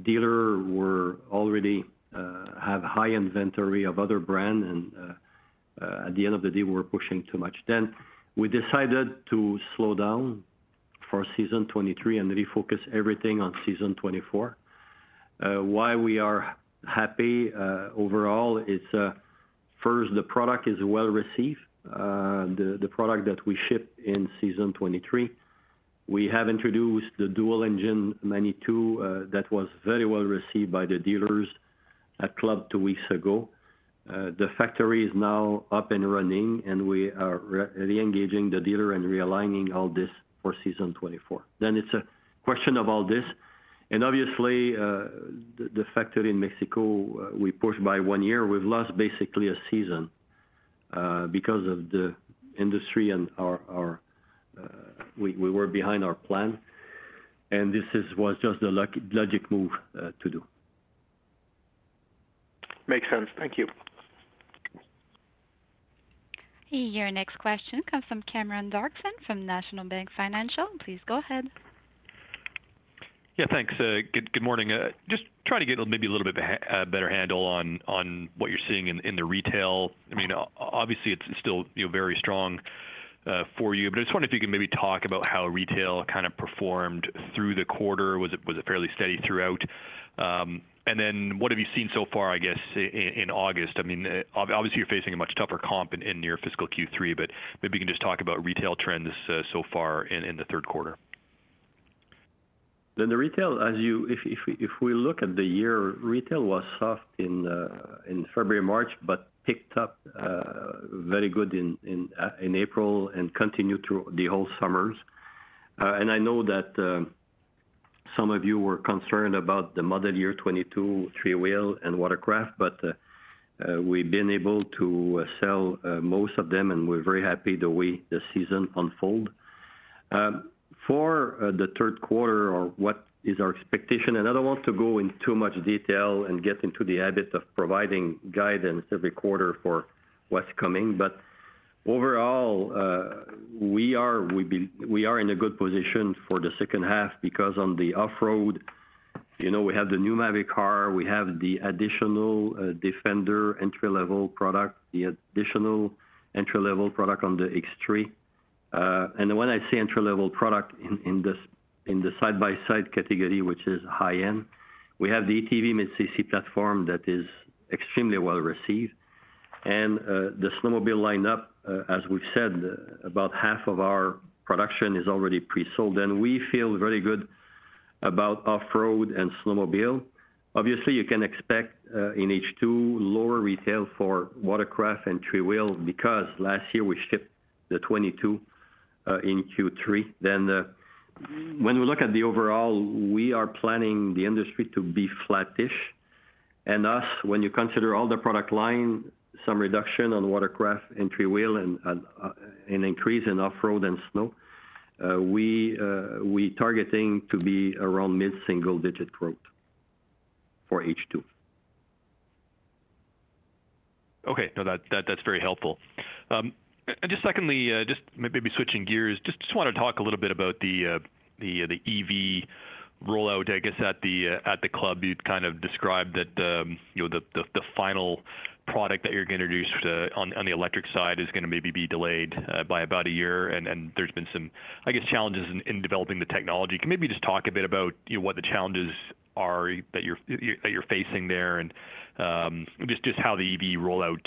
dealer were already have high inventory of other brand, and at the end of the day, we were pushing too much. Then we decided to slow down for season 2023 and refocus everything on season 2024. Why we are happy overall is first, the product is well received. The, the product that we shipped in season 2023, we have introduced the dual engine 92, that was very well received by the dealers. at club two weeks ago. The factory is now up and running, and we are re-engaging the dealer and realigning all this for season 24. Then it's a question about this, and obviously, the factory in Mexico, we pushed by one year. We've lost basically a season, because of the industry and our we were behind our plan, and this was just the logical move to do. Makes sense. Thank you. Your next question comes from Cameron Doerksen from National Bank Financial. Please go ahead. Yeah, thanks. Good morning. Just trying to get maybe a little bit better handle on what you're seeing in the retail. I mean, obviously, it's still, you know, very strong for you. But I just wonder if you can maybe talk about how retail kind of performed through the quarter. Was it fairly steady throughout? And then what have you seen so far, I guess, in August? I mean, obviously, you're facing a much tougher comp in your fiscal Q3, but maybe you can just talk about retail trends so far in the third quarter. Then the retail, as you. If we look at the year, retail was soft in February, March, but picked up very good in April and continued through the whole summers. And I know that some of you were concerned about the model year 2022 three-wheel and watercraft, but we've been able to sell most of them, and we're very happy the way the season unfold. For the third quarter or what is our expectation, and I don't want to go into too much detail and get into the habit of providing guidance every quarter for what's coming. But overall, we are in a good position for the second half because on the off-road, you know, we have the new Maverick R, we have the additional Defender entry-level product, the additional entry-level product on the X3. And when I say entry-level product, in the side-by-side category, which is high-end, we have the ATV mid-CC platform that is extremely well received. And the snowmobile lineup, as we've said, about half of our production is already pre-sold, and we feel very good about off-road and snowmobile. Obviously, you can expect in H2, lower retail for watercraft and three-wheel, because last year we shipped the 2022 in Q3. Then when we look at the overall, we are planning the industry to be flattish. Us, when you consider all the product line, some reduction on watercraft and three-wheel and an increase in off-road and snow, we targeting to be around mid-single-digit growth for H2. Okay. No, that's very helpful. And just secondly, just maybe switching gears, just want to talk a little bit about the EV rollout. I guess, at the club, you kind of described that, you know, the final product that you're going to introduce on the electric side is gonna maybe be delayed by about a year, and there's been some, I guess, challenges in developing the technology. Can you maybe just talk a bit about, you know, what the challenges are that you're facing there, and just how the EV rollout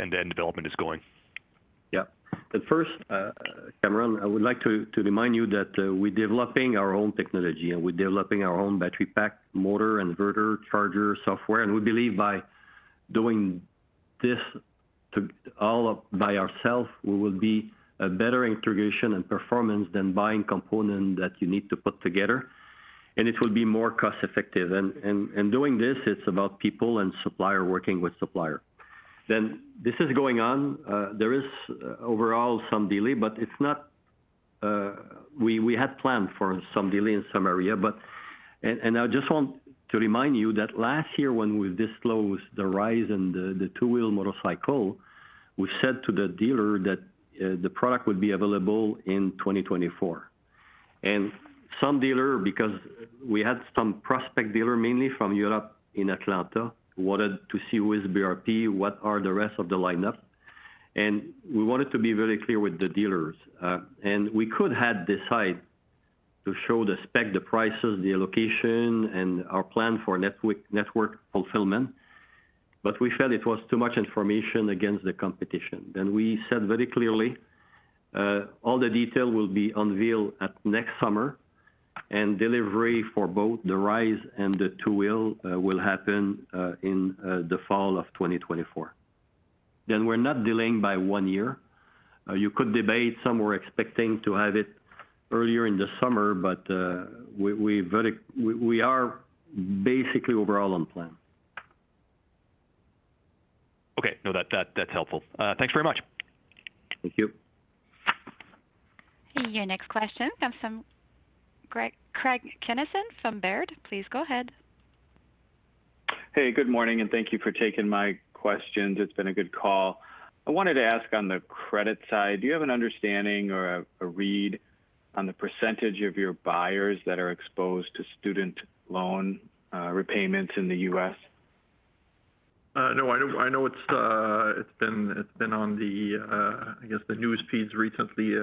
and then development is going? Yeah. First, Cameron, I would like to remind you that we're developing our own technology, and we're developing our own battery pack, motor, inverter, charger, software. We believe by doing this, all of it by ourself, we will have better integration and performance than buying components that you need to put together, and it will be more cost effective. Doing this, it's about people and supplier, working with supplier. This is going on. There is overall some delay, but it's not— We had planned for some delay in some areas, but— I just want to remind you that last year, when we disclosed the Rise and the two-wheel motorcycle, we said to the dealer that the product would be available in 2024. Some dealer, because we had some prospect dealer, mainly from Europe and Atlanta, wanted to see who is BRP, what are the rest of the lineup, and we wanted to be very clear with the dealers. We could have decided to show the spec, the prices, the allocation, and our plan for network fulfillment, but we felt it was too much information against the competition. We said very clearly, "All the detail will be unveiled at next summer, and delivery for both the Rise and the two-wheel will happen in the fall of 2024." We're not delaying by one year. You could debate, some were expecting to have it earlier in the summer, but we are basically overall on plan. Okay. No, that, that's helpful. Thanks very much. Thank you. Your next question comes from Craig Kennison from Baird. Please go ahead. Hey, good morning, and thank you for taking my questions. It's been a good call. I wanted to ask on the credit side, do you have an understanding or a read on the percentage of your buyers that are exposed to student loan repayments in the U.S.? No, I don't. I know it's been on the, I guess, the news feeds recently,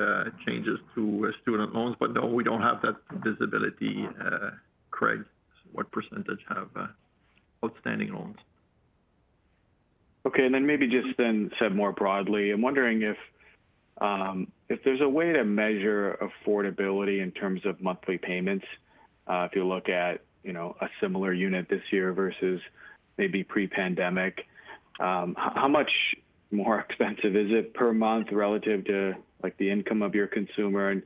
changes to student loans, but no, we don't have that visibility. Craig, what percentage have outstanding loans?... Okay, and then maybe just then said more broadly, I'm wondering if, if there's a way to measure affordability in terms of monthly payments, if you look at, you know, a similar unit this year versus maybe pre-pandemic, how much more expensive is it per month relative to, like, the income of your consumer? And,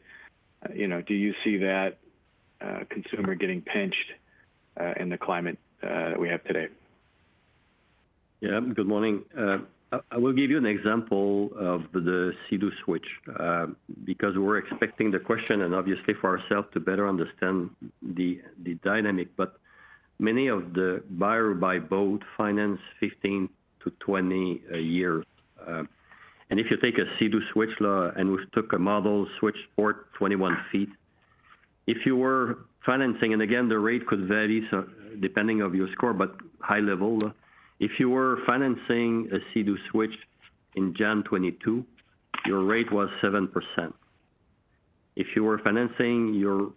you know, do you see that, consumer getting pinched, in the climate, we have today? Yeah. Good morning. I will give you an example of the Sea-Doo Switch, because we're expecting the question and obviously for ourselves to better understand the dynamic. But many of the buyer, buy boat finance 15-20 a year. And if you take a Sea-Doo Switch, and we took a model Switch Sport, 21 feet. If you were financing, and again, the rate could vary, so depending of your score, but high level, if you were financing a Sea-Doo Switch in January 2022, your rate was 7%. If you were financing your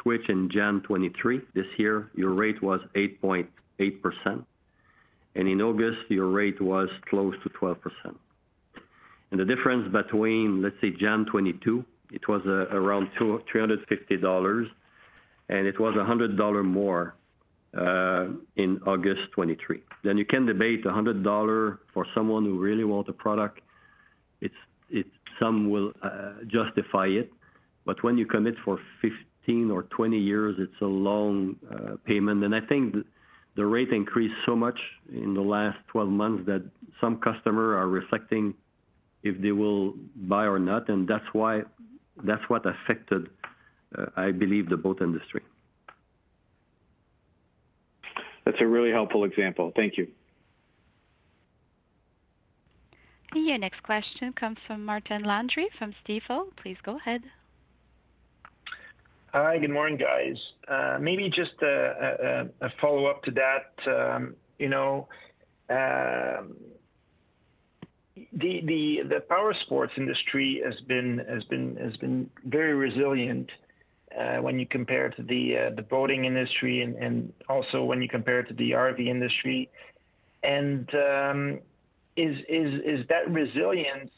Switch in January 2023, this year, your rate was 8.8%, and in August, your rate was close to 12%. The difference between, let's say, January 2022, it was around two- or three hundred and fifty dollars, and it was $100 more in August 2023. Then you can debate $100 for someone who really want a product, it's, it's some will justify it, but when you commit for 15 or 20 years, it's a long payment. And I think the rate increased so much in the last 12 months that some customer are reflecting if they will buy or not, and that's why, that's what affected, I believe, the boat industry. That's a really helpful example. Thank you. Your next question comes from Martin Landry from Stifel. Please go ahead. Hi, good morning, guys. Maybe just a follow-up to that. You know, the powersports industry has been very resilient when you compare it to the boating industry and also when you compare it to the RV industry. Is that resilience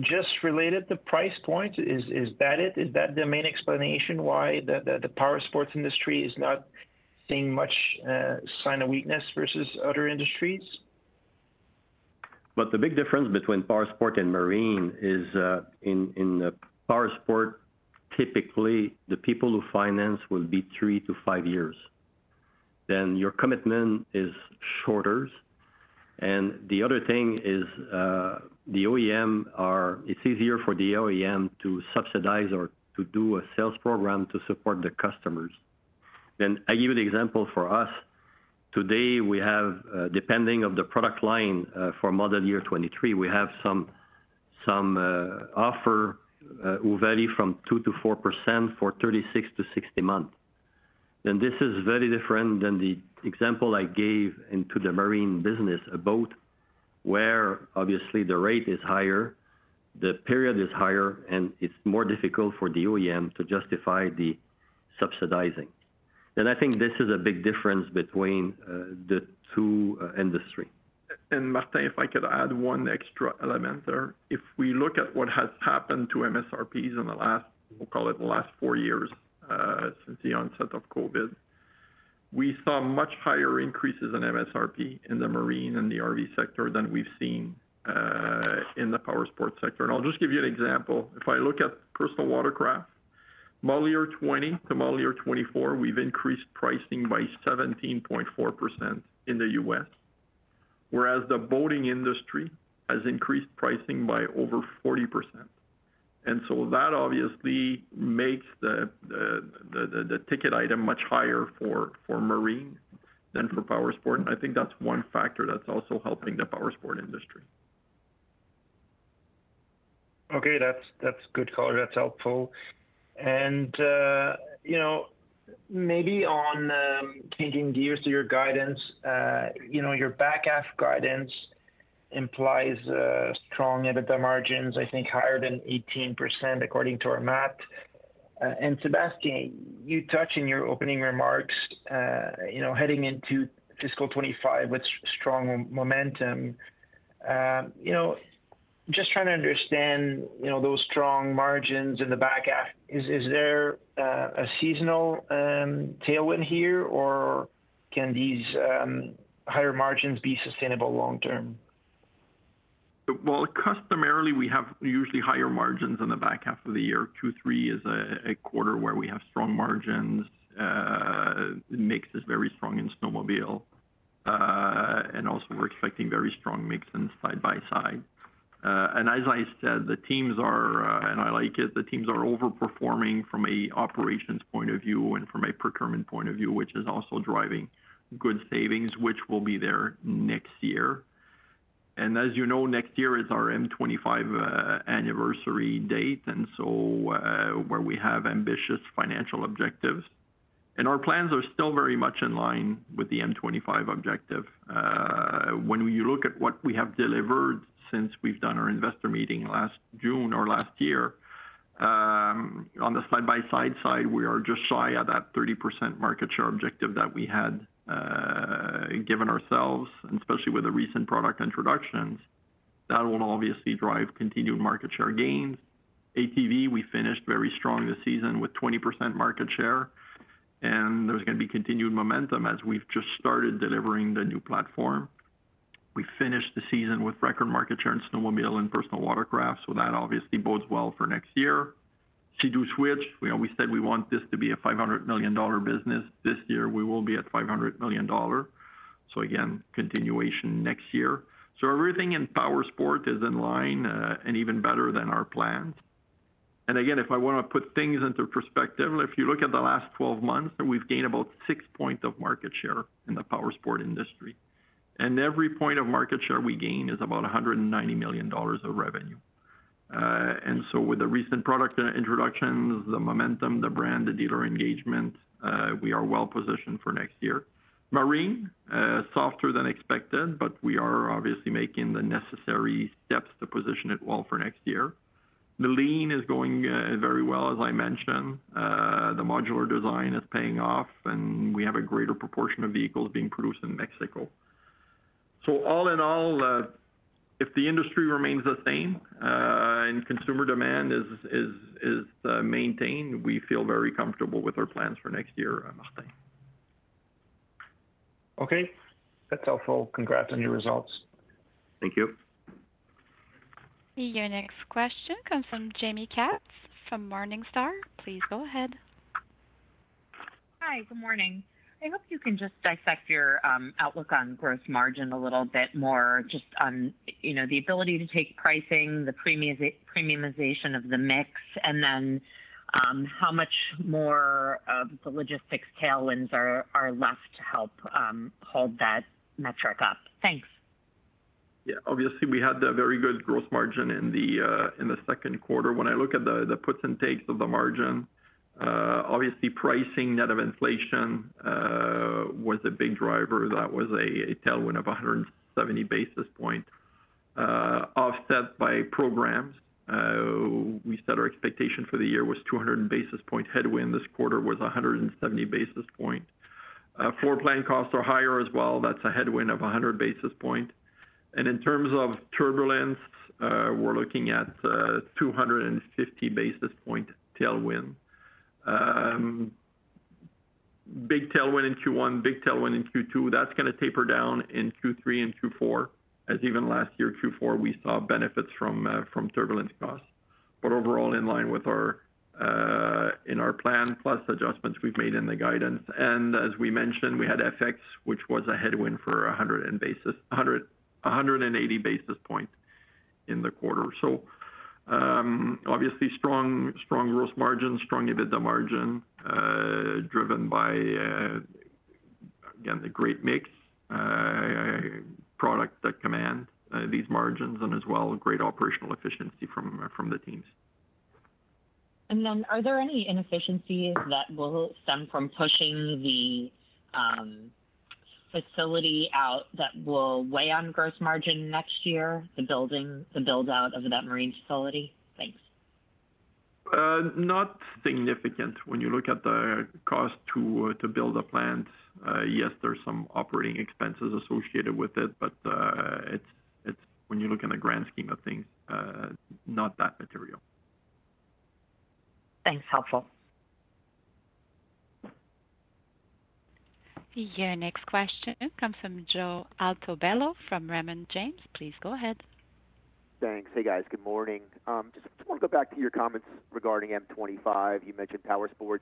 just related to price point? Is that it? Is that the main explanation why the powersports industry is not seeing much sign of weakness versus other industries? The big difference between powersport and marine is, in the powersport, typically, the people who finance will be 3-5 years, then your commitment is shorter. The other thing is, the OEM are. It's easier for the OEM to subsidize or to do a sales program to support the customers. I give you the example for us. Today, we have, depending on the product line, for model year 2023, we have some offers will vary from 2%-4% for 36-60 months. This is very different than the example I gave into the marine business, a boat, where obviously the rate is higher, the period is higher, and it's more difficult for the OEM to justify the subsidizing. I think this is a big difference between the two industries. And Martin, if I could add one extra element there. If we look at what has happened to MSRPs in the last, we'll call it the last 4 years, since the onset of COVID, we saw much higher increases in MSRP in the marine and the RV sector than we've seen in the powersport sector. And I'll just give you an example. If I look at personal watercraft, model year 2020 to model year 2024, we've increased pricing by 17.4% in the US. Whereas the boating industry has increased pricing by over 40%. And so that obviously makes the ticket item much higher for marine than for powersport. And I think that's one factor that's also helping the powersport industry. Okay. That's, that's good color. That's helpful. You know, maybe on changing gears to your guidance, you know, your back half guidance implies strong EBITDA margins, I think higher than 18%, according to our math. And Sébastien, you touched in your opening remarks, you know, heading into fiscal 2025 with strong momentum. You know, just trying to understand, you know, those strong margins in the back half, is there a seasonal tailwind here, or can these higher margins be sustainable long term? Well, customarily, we have usually higher margins in the back half of the year. Two, three is a quarter where we have strong margins. Mix is very strong in snowmobile, and also we're expecting very strong mix in side-by-side. And as I said, the teams are, and I like it, the teams are overperforming from an operations point of view and from a procurement point of view, which is also driving good savings, which will be there next year. And as you know, next year is our M25, anniversary date, and so, where we have ambitious financial objectives. And our plans are still very much in line with the M25 objective. When you look at what we have delivered since we've done our investor meeting last June or last year. On the side-by-side side, we are just shy at that 30% market share objective that we had given ourselves, and especially with the recent product introductions. That will obviously drive continued market share gains. ATV, we finished very strong this season with 20% market share, and there's gonna be continued momentum as we've just started delivering the new platform. We finished the season with record market share in snowmobile and personal watercraft, so that obviously bodes well for next year. Sea-Doo Switch, we always said we want this to be a $500 million business. This year, we will be at $500 million. So again, continuation next year. So everything in Powersports is in line, and even better than our planned. Again, if I want to put things into perspective, if you look at the last 12 months, we've gained about 6 points of market share in the Powersport industry. Every point of market share we gain is about 190 million dollars of revenue. And so with the recent product introductions, the momentum, the brand, the dealer engagement, we are well positioned for next year. Marine, softer than expected, but we are obviously making the necessary steps to position it well for next year. The Lean is going very well, as I mentioned. The modular design is paying off, and we have a greater proportion of vehicles being produced in Mexico. So all in all, if the industry remains the same, and consumer demand is maintained, we feel very comfortable with our plans for next year, Martin. Okay, that's helpful. Congrats on your results. Thank you. Your next question comes from Jamie Katz from Morningstar. Please go ahead. Hi, good morning. I hope you can just dissect your outlook on growth margin a little bit more, just on, you know, the ability to take pricing, the premiumization of the mix, and then, how much more of the logistics tailwinds are left to help hold that metric up? Thanks. Yeah. Obviously, we had a very good growth margin in the second quarter. When I look at the puts and takes of the margin, obviously, pricing net of inflation was a big driver. That was a tailwind of 170 basis point offset by programs. We set our expectation for the year was 200 basis point headwind. This quarter was 170 basis point. Floor plan costs are higher as well. That's a headwind of 100 basis point. And in terms of turbulence, we're looking at 250 basis point tailwind. Big tailwind in Q1, big tailwind in Q2, that's gonna taper down in Q3 and Q4, as even last year, Q4, we saw benefits from turbulence costs. But overall, in line with our plan, plus adjustments we've made in the guidance. As we mentioned, we had FX, which was a headwind for 180 basis points in the quarter. So, obviously, strong growth margin, strong EBITDA margin, driven by again, the great mix, products that command these margins, and as well, great operational efficiency from the teams. Are there any inefficiencies that will stem from pushing the facility out that will weigh on gross margin next year, the building, the build-out of that marine facility? Thanks. Not significant. When you look at the cost to build a plant, yes, there's some operating expenses associated with it, but it's when you look in the grand scheme of things, not that material. Thanks. Helpful. Your next question comes from Joe Altobello from Raymond James. Please go ahead. Thanks. Hey, guys. Good morning. Just want to go back to your comments regarding M25. You mentioned Powersports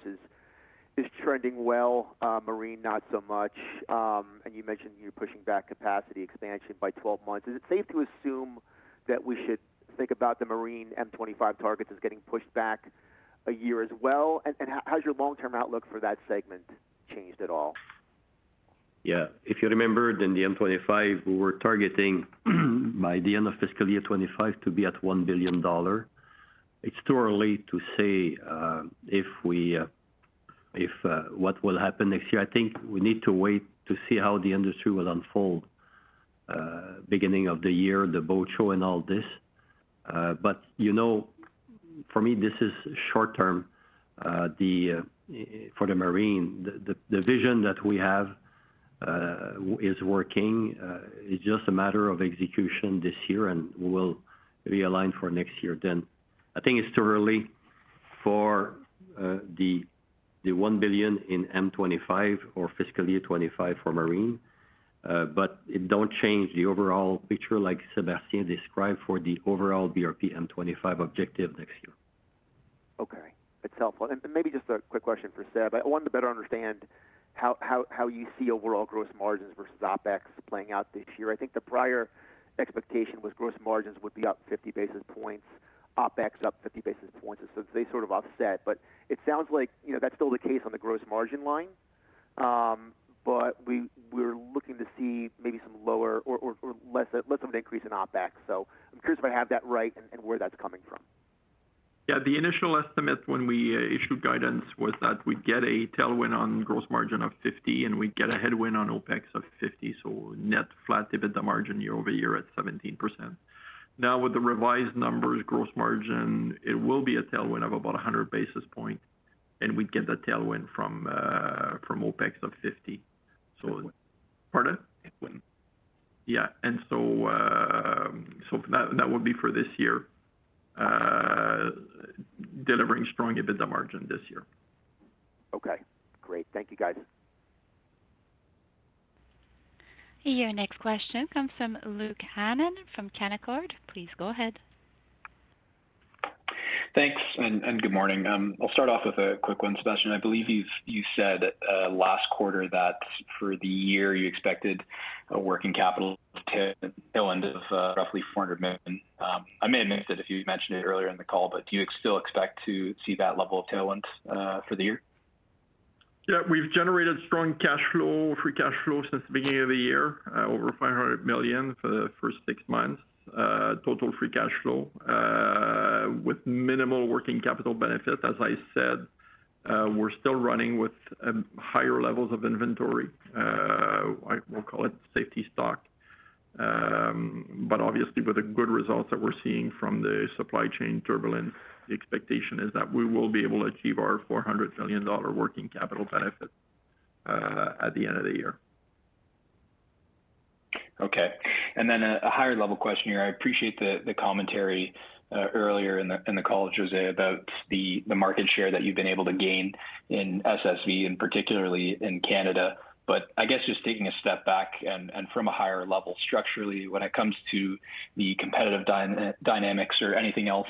is trending well, Marine, not so much. And you mentioned you're pushing back capacity expansion by 12 months. Is it safe to assume that we should think about the Marine M 25 targets as getting pushed back a year as well? And how's your long-term outlook for that segment changed at all? Yeah. If you remember, in the M25, we were targeting, by the end of fiscal year 2025 to be at 1 billion dollar. It's too early to say if what will happen next year. I think we need to wait to see how the industry will unfold beginning of the year, the boat show and all this. But you know, for me, this is short term for the Marine. The vision that we have is working. It's just a matter of execution this year, and we will realign for next year then. I think it's too early for the 1 billion in M25 or fiscal year 2025 for Marine, but it don't change the overall picture like Sébastien described for the overall BRP M25 objective next year. Okay. It's helpful. And maybe just a quick question for Seb. I want to better understand how you see overall gross margins versus OpEx playing out this year. I think the prior expectation was gross margins would be up 50 basis points, OpEx up 50 basis points, and so they sort of offset. But it sounds like, you know, that's still the case on the gross margin line, but we're looking to see maybe some lower or less of an increase in OpEx. So I'm curious if I have that right and where that's coming from. Yeah, the initial estimate when we issued guidance was that we'd get a tailwind on gross margin of 50, and we'd get a headwind on OpEx of 50, so net flat EBITDA margin year-over-year at 17%. Now, with the revised numbers, gross margin, it will be a tailwind of about 100 basis points and we'd get the tailwind from OpEx of 50. So- Tailwind. Pardon? Tailwind. Yeah. So, that would be for this year, delivering strong EBITDA margin this year. Okay, great. Thank you, guys. Your next question comes from Luke Hannan from Canaccord. Please go ahead. Thanks, good morning. I'll start off with a quick one, Sébastien. I believe you said last quarter that for the year you expected a working capital tailwind of roughly 400 million. I may have missed it if you mentioned it earlier in the call, but do you still expect to see that level of tailwind for the year? Yeah, we've generated strong cash flow, free cash flow since the beginning of the year, over 500 million for the first six months, total free cash flow, with minimal working capital benefit. As I said, we're still running with, higher levels of inventory, I will call it safety stock. But obviously, with the good results that we're seeing from the supply chain turbulence, the expectation is that we will be able to achieve our 400 million dollar working capital benefit, at the end of the year. Okay. And then a higher level question here. I appreciate the commentary earlier in the call, José, about the market share that you've been able to gain in SSV, and particularly in Canada. But I guess just taking a step back and from a higher level, structurally, when it comes to the competitive dynamics or anything else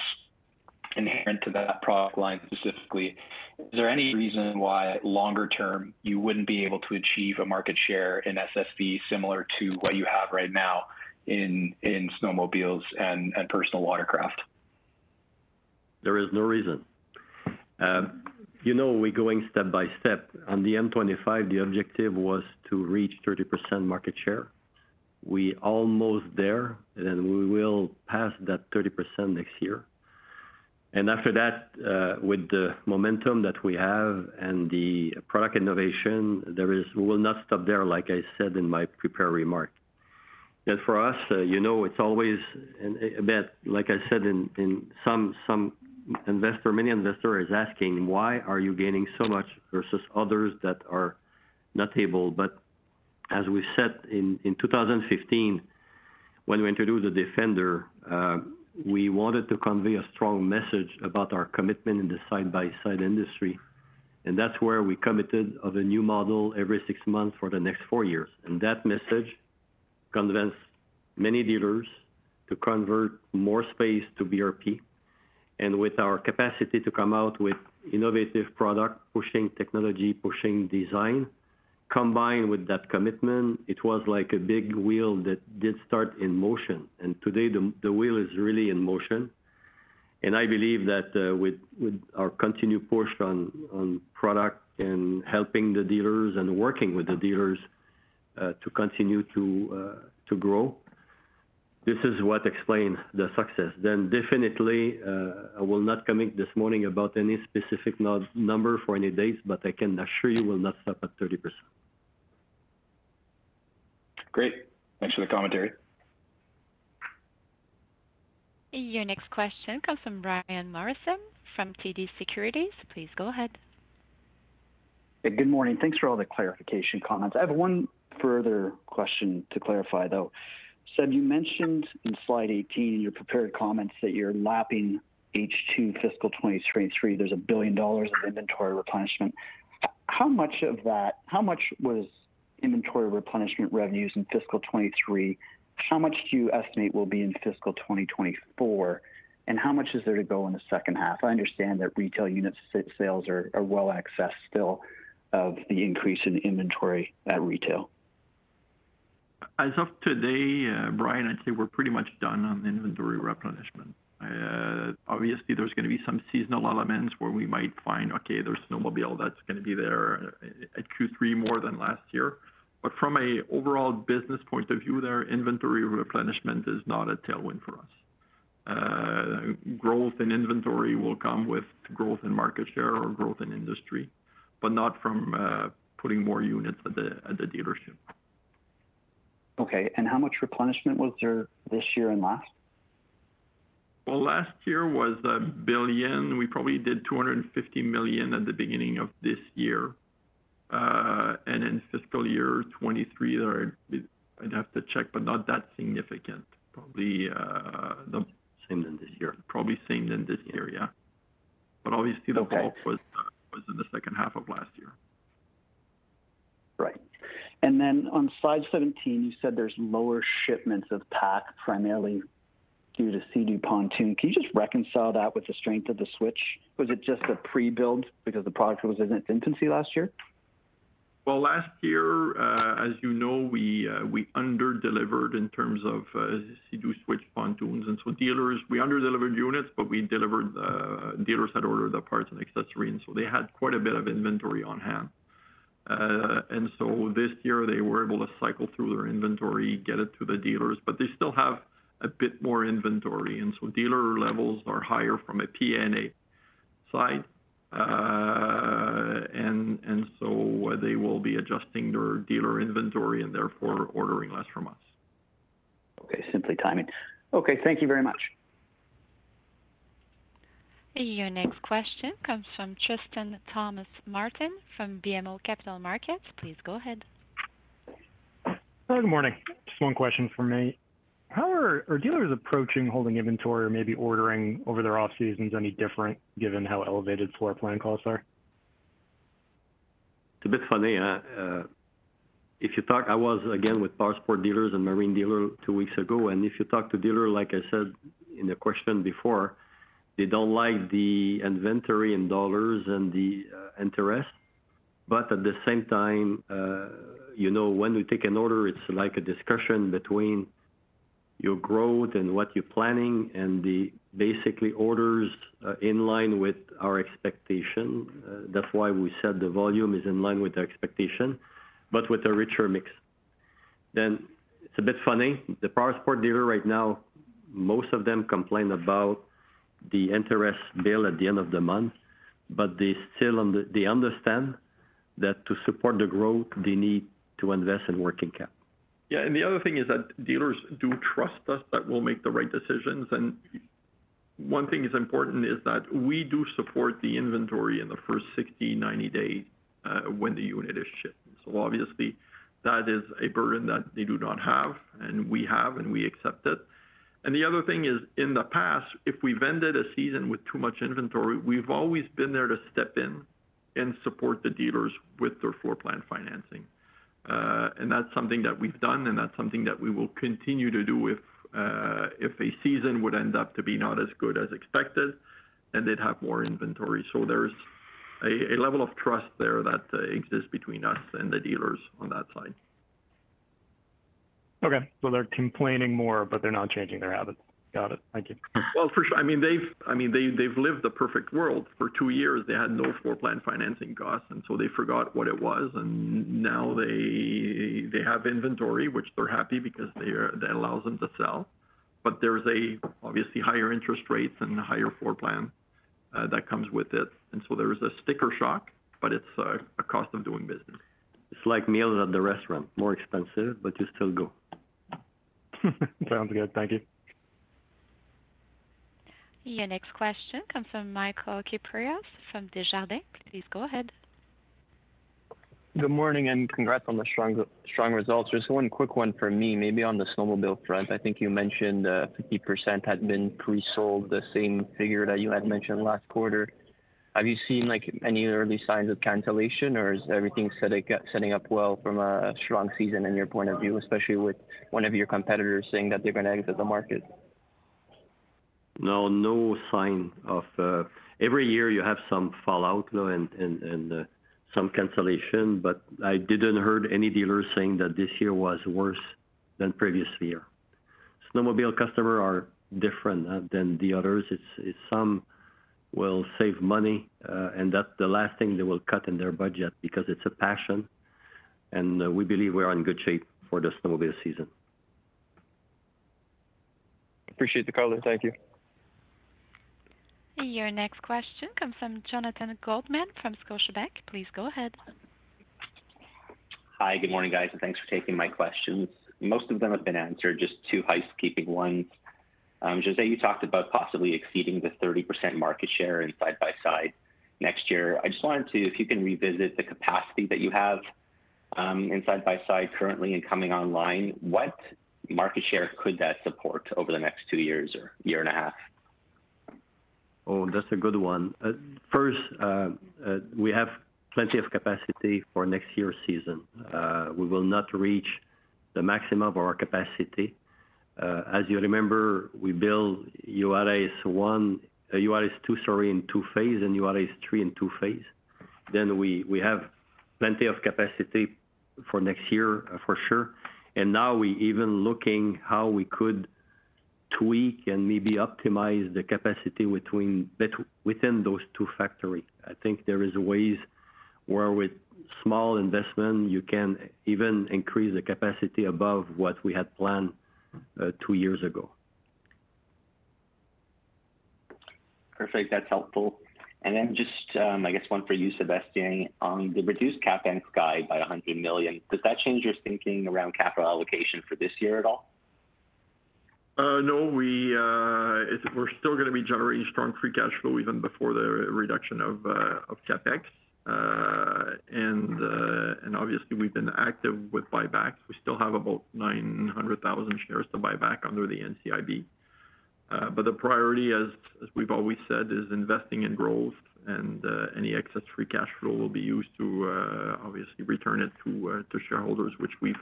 inherent to that product line specifically, is there any reason why longer term, you wouldn't be able to achieve a market share in SSV similar to what you have right now in snowmobiles and personal watercraft? There is no reason. You know, we're going step by step. On the M25, the objective was to reach 30% market share. We almost there, and we will pass that 30% next year. And after that, with the momentum that we have and the product innovation, there is, we will not stop there, like I said in my prepared remark. And for us, you know, it's always a bit, like I said, in some investor, many investor is asking: "Why are you gaining so much versus others that are not able?" But as we said in 2015, when we introduced the Defender, we wanted to convey a strong message about our commitment in the side-by-side industry, and that's where we committed of a new model every 6 months for the next 4 years. That message convinced many dealers to convert more space to BRP. And with our capacity to come out with innovative product, pushing technology, pushing design, combined with that commitment, it was like a big wheel that did start in motion. And today, the wheel is really in motion. And I believe that, with our continued push on product and helping the dealers and working with the dealers, to continue to grow, this is what explains the success. Then definitely, I will not comment this morning about any specific number for any dates, but I can assure you we'll not stop at 30%. Great. Thanks for the commentary. Your next question comes from Brian Morrison from TD Securities. Please go ahead. Hey, good morning. Thanks for all the clarification comments. I have one further question to clarify, though. Seb, you mentioned in slide 18 in your prepared comments that you're lapping H2 fiscal 2023. There's 1 billion dollars in inventory replenishment. How much of that was inventory replenishment revenues in fiscal 2023? How much do you estimate will be in fiscal 2024? And how much is there to go in the second half? I understand that retail unit sales are well in excess still of the increase in inventory at retail. As of today, Brian, I'd say we're pretty much done on inventory replenishment. Obviously, there's going to be some seasonal elements where we might find, okay, there's a snowmobile that's going to be there at Q3 more than last year. But from an overall business point of view, there, inventory replenishment is not a tailwind for us. Growth in inventory will come with growth in market share or growth in industry, but not from putting more units at the, at the dealership. Okay. How much replenishment was there this year and last? Well, last year was 1 billion. We probably did 250 million at the beginning of this year. In fiscal year 2023, I'd, I'd have to check, but not that significant. Probably, the- Same as this year. Probably same than this year, yeah. But obviously- Okay the bulk was in the second half of last year. Right. And then on slide 17, you said there's lower shipments of PA&A, primarily due to Sea-Doo Pontoon. Can you just reconcile that with the strength of the Switch? Was it just a pre-build because the product was in its infancy last year? Well, last year, as you know, we, we underdelivered in terms of, Sea-Doo Switch Pontoons. And so dealers - we underdelivered units, but we delivered, dealers had ordered the parts and accessories, so they had quite a bit of inventory on hand. And so this year, they were able to cycle through their inventory, get it to the dealers, but they still have a bit more inventory, and so dealer levels are higher from a P&A side. And, and so they will be adjusting their dealer inventory and therefore ordering less from us. Okay, simply timing. Okay, thank you very much. Your next question comes from Tristan Thomas-Martin from BMO Capital Markets. Please go ahead. Good morning. Just one question for me. How are dealers approaching holding inventory or maybe ordering over their off seasons any different, given how elevated floor plan costs are? It's a bit funny. If you talk. I was again with powersports dealers and marine dealer two weeks ago, and if you talk to dealer, like I said in the question before, they don't like the inventory in dollars and the interest. But at the same time, you know, when we take an order, it's like a discussion between your growth and what you're planning and the basically orders in line with our expectation. That's why we said the volume is in line with the expectation, but with a richer mix. Then it's a bit funny. The powersports dealer right now, most of them complain about the interest bill at the end of the month, but they still understand that to support the growth, they need to invest in working cap. Yeah, and the other thing is that dealers do trust us, that we'll make the right decisions. One thing is important is that we do support the inventory in the first 60, 90 days, when the unit is shipped. So obviously, that is a burden that they do not have, and we have, and we accept it. And the other thing is, in the past, if we've ended a season with too much inventory, we've always been there to step in and support the dealers with their floor plan financing. And that's something that we've done, and that's something that we will continue to do with, if a season would end up to be not as good as expected, and they'd have more inventory. So there's a level of trust there that exists between us and the dealers on that side. Okay. So they're complaining more, but they're not changing their habits. Got it. Thank you. Well, for sure. I mean, they've lived the perfect world. For two years, they had no floor plan financing costs, and so they forgot what it was, and now they have inventory, which they're happy because they are... That allows them to sell. But there is obviously higher interest rates and higher floor plan that comes with it. And so there is a sticker shock, but it's a cost of doing business. It's like meals at the restaurant, more expensive, but you still go. Sounds good. Thank you. Your next question comes from Michael Swartz from Truist Securities. Please go ahead. Good morning, and congrats on the strong, strong results. Just one quick one for me, maybe on the snowmobile front. I think you mentioned 50% had been pre-sold, the same figure that you had mentioned last quarter. Have you seen, like, any early signs of cancellation, or is everything setting up, setting up well from a strong season in your point of view, especially with one of your competitors saying that they're going to exit the market? No, no sign of. Every year you have some fallout, though, and some cancellation, but I didn't heard any dealers saying that this year was worse than previous year. Snowmobile customer are different than the others. It's, some will save money, and that's the last thing they will cut in their budget, because it's a passion, and we believe we're in good shape for the snowmobile season. Appreciate the color. Thank you. Your next question comes from Jonathan Goldman from Scotiabank. Please go ahead. Hi, good morning, guys, and thanks for taking my questions. Most of them have been answered, just two housekeeping ones. José, you talked about possibly exceeding the 30% market share in side by side next year. I just wanted to, if you can revisit the capacity that you have, in side by side currently and coming online, what market share could that support over the next two years or year and a half? Oh, that's a good one. First, we have plenty of capacity for next year's season. We will not reach the maximum of our capacity. As you remember, we build Juarez one, Juarez two, sorry, in two phase and Juarez three in two phase. We have plenty of capacity for next year, for sure. And now we even looking how we could tweak and maybe optimize the capacity between, within those two factories. I think there is ways where with small investment, you can even increase the capacity above what we had planned two years ago. Perfect. That's helpful. And then just, I guess one for you, Sébastien. On the reduced CapEx guide by 100 million, does that change your thinking around capital allocation for this year at all? No. We're still gonna be generating strong free cash flow even before the reduction of CapEx. And obviously we've been active with buybacks. We still have about 900,000 shares to buy back under the NCIB. But the priority, as we've always said, is investing in growth, and any excess free cash flow will be used to obviously return it to shareholders, which we've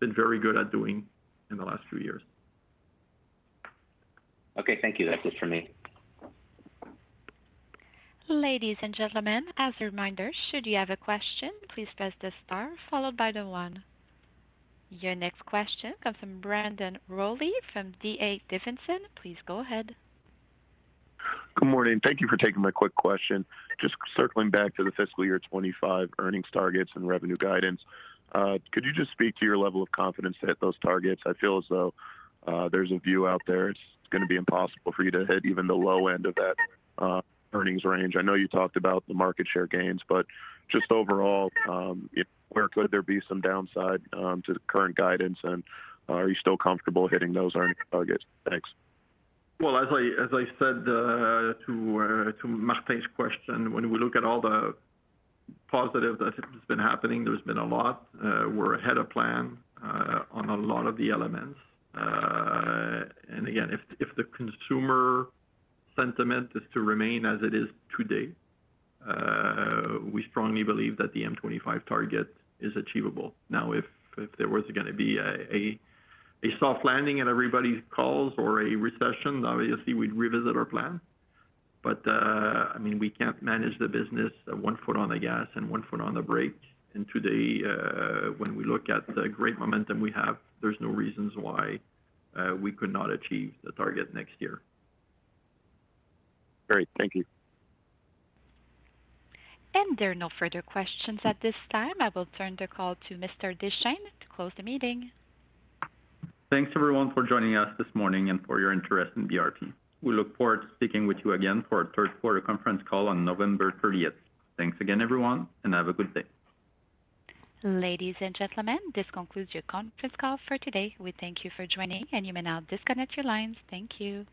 been very good at doing in the last few years. Okay. Thank you. That's it for me. Ladies and gentlemen, as a reminder, should you have a question, please press the star followed by the one. Your next question comes from Brandon Rolle of D.A. Davidson. Please go ahead. Good morning. Thank you for taking my quick question. Just circling back to the fiscal year 25 earnings targets and revenue guidance, could you just speak to your level of confidence to hit those targets? I feel as though, there's a view out there it's gonna be impossible for you to hit even the low end of that, earnings range. I know you talked about the market share gains, but just overall, where could there be some downside to the current guidance, and are you still comfortable hitting those earnings targets? Thanks. Well, as I said, to Martin's question, when we look at all the positive that has been happening, there's been a lot, we're ahead of plan, on a lot of the elements. And again, if the consumer sentiment is to remain as it is today, we strongly believe that the M25 target is achievable. Now, if there was gonna be a soft landing in everybody's calls or a recession, obviously we'd revisit our plan. But, I mean, we can't manage the business one foot on the gas and one foot on the brake. And today, when we look at the great momentum we have, there's no reasons why we could not achieve the target next year. Great. Thank you. There are no further questions at this time. I will turn the call to Mr. Deschênes to close the meeting. Thanks, everyone, for joining us this morning and for your interest in BRP. We look forward to speaking with you again for our third quarter conference call on November thirtieth. Thanks again, everyone, and have a good day. Ladies and gentlemen, this concludes your conference call for today. We thank you for joining, and you may now disconnect your lines. Thank you.